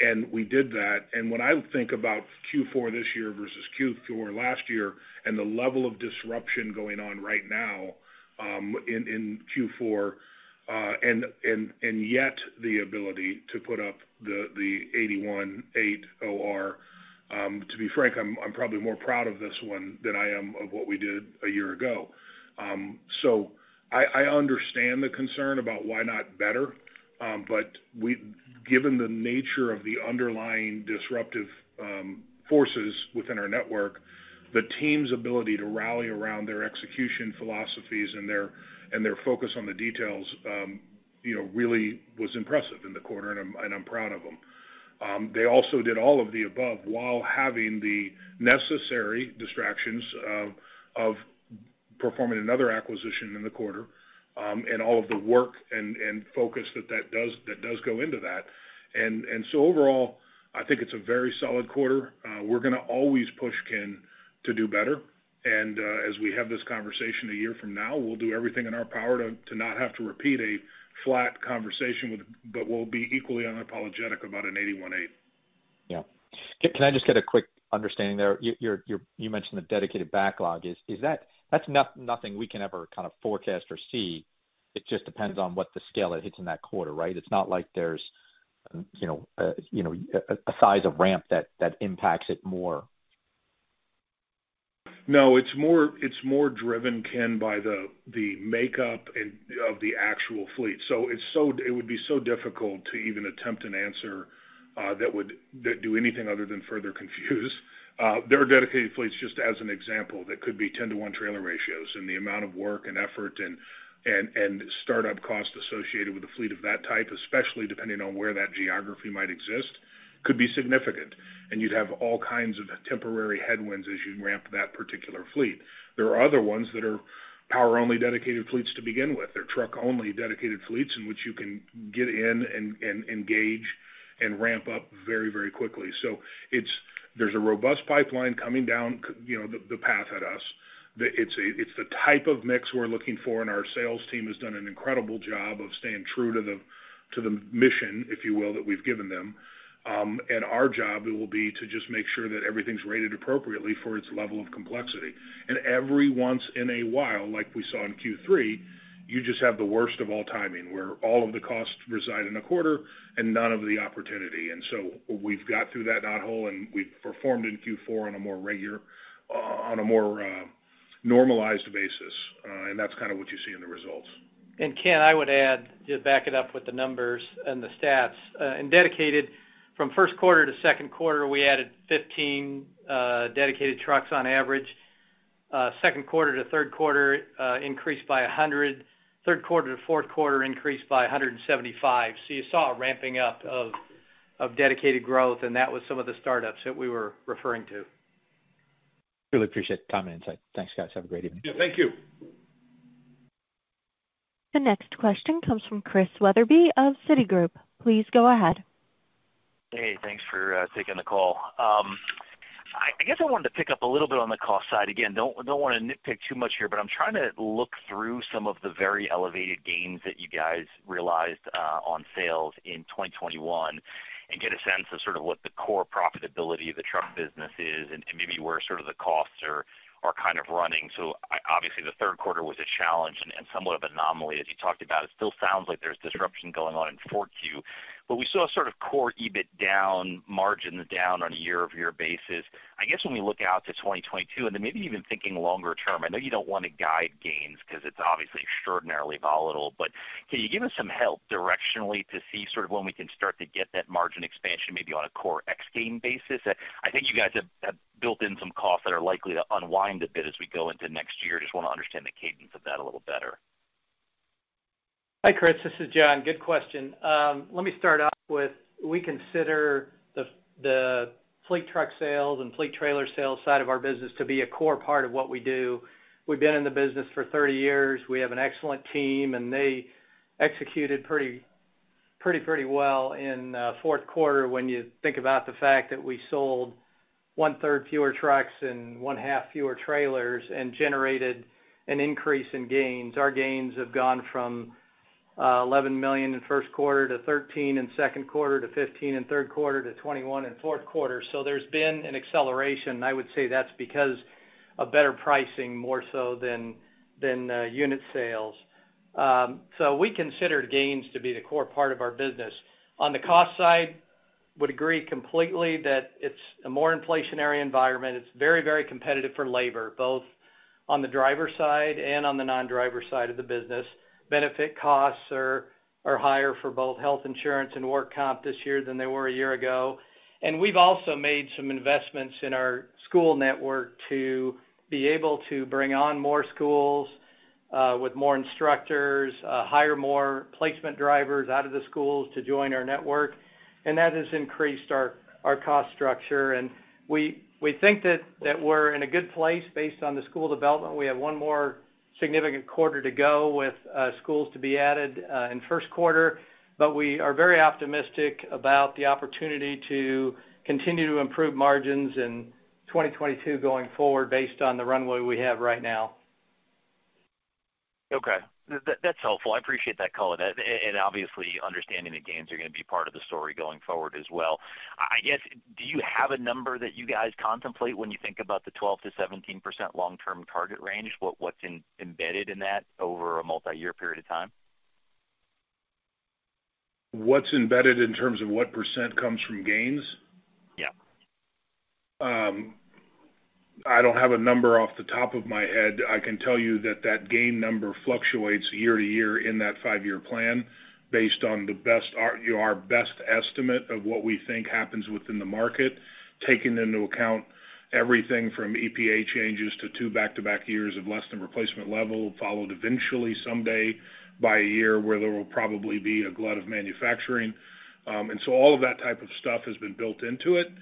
and we did that. When I think about Q4 this year versus Q4 last year and the level of disruption going on right now in Q4, and yet the ability to put up the 81.8 OR, to be frank, I'm probably more proud of this one than I am of what we did a year ago. I understand the concern about why not better, but given the nature of the underlying disruptive forces within our network, the team's ability to rally around their execution philosophies and their focus on the details, you know, really was impressive in the quarter, and I'm proud of them. They also did all of the above while having the necessary distractions of performing another acquisition in the quarter, and all of the work and focus that does go into that. Overall, I think it's a very solid quarter. We're going to always push, Ken, to do better. As we have this conversation a year from now, we'll do everything in our power to not have to repeat a flat conversation, but we'll be equally unapologetic about an 81.8. Yeah. Can I just get a quick understanding there? You mentioned the dedicated backlog. Is that not something we can ever kind of forecast or see. It just depends on what the scale it hits in that quarter, right? It's not like there's, you know, you know, a sizable ramp that impacts it more. No, it's more driven, Ken, by the makeup of the actual fleet. It would be so difficult to even attempt an answer that would do anything other than further confuse. There are dedicated fleets, just as an example, that could be 10:1 trailer ratios, and the amount of work and effort and start-up costs associated with a fleet of that type, especially depending on where that geography might exist, could be significant. You'd have all kinds of temporary headwinds as you ramp that particular fleet. There are other ones that are power-only dedicated fleets to begin with. They're truck-only dedicated fleets in which you can get in and engage and ramp up very, very quickly. There's a robust pipeline coming down the path at us. It's a, it's the type of mix we're looking for, and our sales team has done an incredible job of staying true to the mission, if you will, that we've given them. Our job it will be to just make sure that everything's rated appropriately for its level of complexity. Every once in a while, like we saw in Q3, you just have the worst of all timing, where all of the costs reside in a quarter and none of the opportunity. We've got through that knothole, and we've performed in Q4 on a more normalized basis. That's kind of what you see in the results. Ken, I would add, just back it up with the numbers and the stats. In Dedicated, from first quarter to second quarter, we added 15 dedicated trucks on average. Second quarter to third quarter, increased by 100. Third quarter to fourth quarter increased by 175. You saw a ramping up of dedicated growth, and that was some of the startups that we were referring to. Really appreciate the time and insight. Thanks, guys. Have a great evening. Yeah, thank you. The next question comes from Chris Wetherbee of Citigroup. Please go ahead. Hey, thanks for taking the call. I guess I wanted to pick up a little bit on the cost side. Again, don't wanna nitpick too much here, but I'm trying to look through some of the very elevated gains that you guys realized on sales in 2021 and get a sense of sort of what the core profitability of the truck business is and maybe where sort of the costs are kind of running. Obviously, the third quarter was a challenge and somewhat of an anomaly, as you talked about. It still sounds like there's disruption going on in 4Q. We saw sort of core EBIT down, margin down on a year-over-year basis. I guess when we look out to 2022, and then maybe even thinking longer term, I know you don't wanna guide gains 'cause it's obviously extraordinarily volatile. Can you give us some help directionally to see sort of when we can start to get that margin expansion maybe on a core ex-gain basis? I think you guys have built in some costs that are likely to unwind a bit as we go into next year. Just wanna understand the cadence of that a little better. Hi, Chris. This is John. Good question. Let me start off with we consider the fleet truck sales and fleet trailer sales side of our business to be a core part of what we do. We've been in the business for 30 years. We have an excellent team, and they executed pretty well in fourth quarter when you think about the fact that we sold one-third fewer trucks and one-half fewer trailers and generated an increase in gains. Our gains have gone from $11 million in first quarter to $13 million in second quarter to $15 million in third quarter to $21 million in fourth quarter. There's been an acceleration. I would say that's because of better pricing more so than unit sales. We consider gains to be the core part of our business. On the cost side, I would agree completely that it's a more inflationary environment. It's very, very competitive for labor, both on the driver side and on the non-driver side of the business. Benefit costs are higher for both health insurance and work comp this year than they were a year ago. We've also made some investments in our school network to be able to bring on more schools with more instructors, hire more placement drivers out of the schools to join our network, and that has increased our cost structure. We think that we're in a good place based on the school development. We have one more significant quarter to go with schools to be added in first quarter. We are very optimistic about the opportunity to continue to improve margins in 2022 going forward based on the runway we have right now. Okay. That's helpful. I appreciate that color. Obviously understanding the gains are gonna be part of the story going forward as well. I guess, do you have a number that you guys contemplate when you think about the 12%-17% long-term target range? What's embedded in that over a multi-year period of time? What's embedded in terms of what percent comes from gains? Yeah. I don't have a number off the top of my head. I can tell you that that gain number fluctuates year to year in that five-year plan based on our best estimate of what we think happens within the market, taking into account everything from EPA changes to two back-to-back years of less than replacement level, followed eventually someday by a year where there will probably be a glut of manufacturing. All of that type of stuff has been built into it.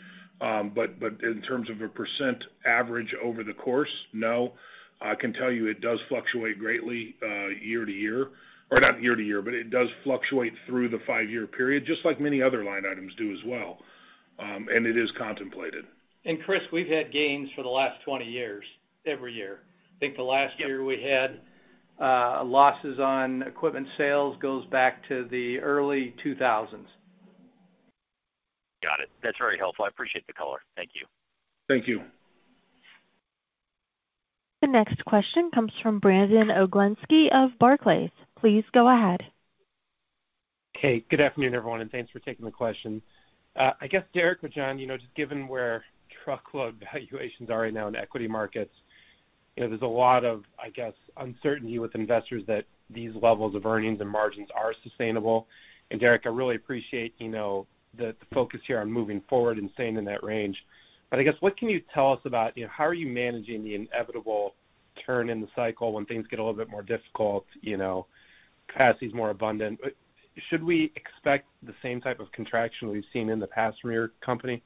In terms of a percent average over the course, no. I can tell you it does fluctuate greatly year to year, or not year to year, but it does fluctuate through the five-year period, just like many other line items do as well. It is contemplated. Chris, we've had gains for the last 20 years, every year. I think the last year we had losses on equipment sales goes back to the early 2000s. Got it. That's very helpful. I appreciate the color. Thank you. Thank you. The next question comes from Brandon Oglenski of Barclays. Please go ahead. Hey, good afternoon, everyone, and thanks for taking the question. I guess, Derek or John, you know, just given where truckload valuations are right now in equity markets, you know, there's a lot of, I guess, uncertainty with investors that these levels of earnings and margins are sustainable. Derek, I really appreciate, you know, the focus here on moving forward and staying in that range. I guess, what can you tell us about, you know, how are you managing the inevitable turn in the cycle when things get a little bit more difficult, you know, capacity is more abundant? Should we expect the same type of contraction we've seen in the past from your company?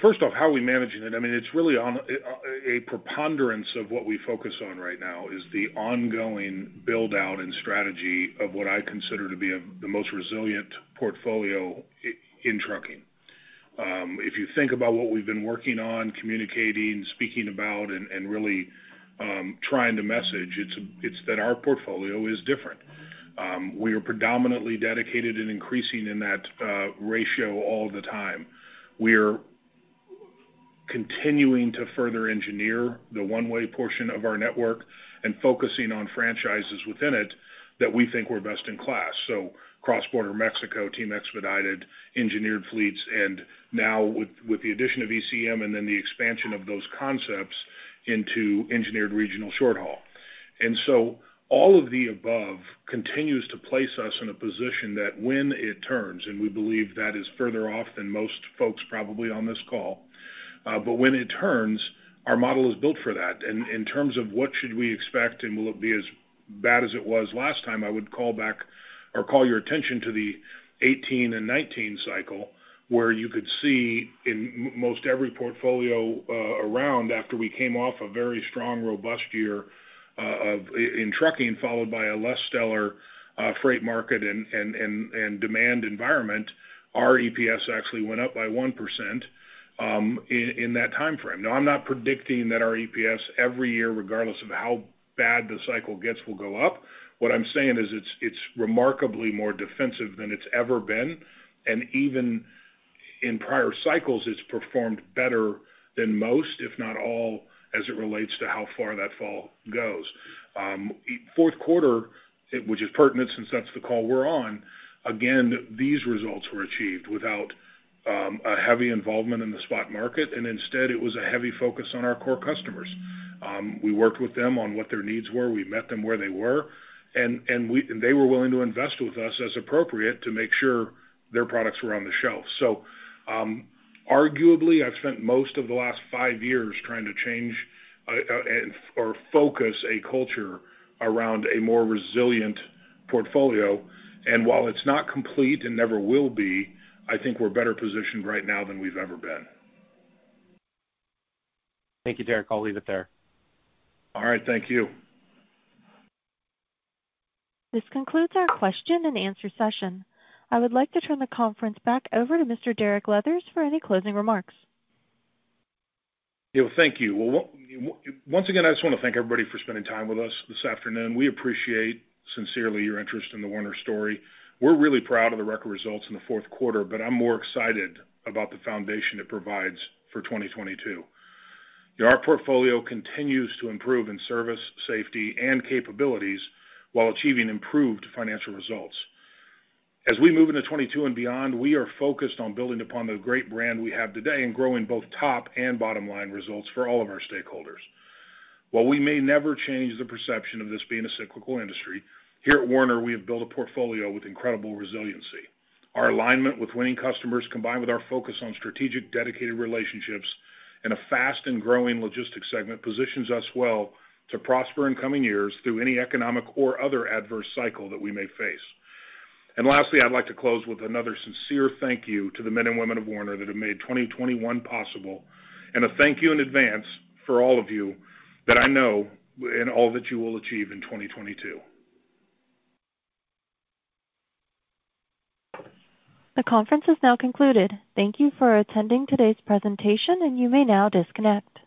First off, how are we managing it? I mean, it's really on a preponderance of what we focus on right now is the ongoing build-out and strategy of what I consider to be the most resilient portfolio in trucking. If you think about what we've been working on, communicating, speaking about and really trying to message, it's that our portfolio is different. We are predominantly dedicated and increasing in that ratio all the time. We're continuing to further engineer the One-Way portion of our network and focusing on franchises within it that we think we're best in class. Cross-border Mexico, Team Expedited, Engineered Fleets, and now with the addition of ECM and then the expansion of those concepts into engineered regional short haul. All of the above continues to place us in a position that when it turns, and we believe that is further off than most folks probably on this call, but when it turns, our model is built for that. In terms of what should we expect and will it be as bad as it was last time, I would call back or call your attention to the 2018 and 2019 cycle where you could see in most every portfolio around after we came off a very strong, robust year in trucking, followed by a less stellar freight market and demand environment. Our EPS actually went up by 1% in that time frame. Now I'm not predicting that our EPS every year, regardless of how bad the cycle gets, will go up. What I'm saying is it's remarkably more defensive than it's ever been, and even in prior cycles, it's performed better than most, if not all, as it relates to how far that fall goes. Fourth quarter, which is pertinent since that's the call we're on, again, these results were achieved without a heavy involvement in the spot market, and instead it was a heavy focus on our core customers. We worked with them on what their needs were. We met them where they were, and they were willing to invest with us as appropriate to make sure their products were on the shelf. Arguably, I've spent most of the last five years trying to change or focus a culture around a more resilient portfolio. While it's not complete and never will be, I think we're better positioned right now than we've ever been. Thank you, Derek. I'll leave it there. All right. Thank you. This concludes our question and answer session. I would like to turn the conference back over to Mr. Derek Leathers for any closing remarks. Yeah. Thank you. Well, once again, I just want to thank everybody for spending time with us this afternoon. We appreciate sincerely your interest in the Werner story. We're really proud of the record results in the fourth quarter, but I'm more excited about the foundation it provides for 2022. Our portfolio continues to improve in service, safety, and capabilities while achieving improved financial results. As we move into 2022 and beyond, we are focused on building upon the great brand we have today and growing both top and bottom line results for all of our stakeholders. While we may never change the perception of this being a cyclical industry, here at Werner, we have built a portfolio with incredible resiliency. Our alignment with winning customers, combined with our focus on strategic, dedicated relationships in a fast and growing logistics segment, positions us well to prosper in coming years through any economic or other adverse cycle that we may face. Lastly, I'd like to close with another sincere thank you to the men and women of Werner that have made 2021 possible, and a thank you in advance for all of you that I know in all that you will achieve in 2022. The conference is now concluded. Thank you for attending today's presentation, and you may now disconnect.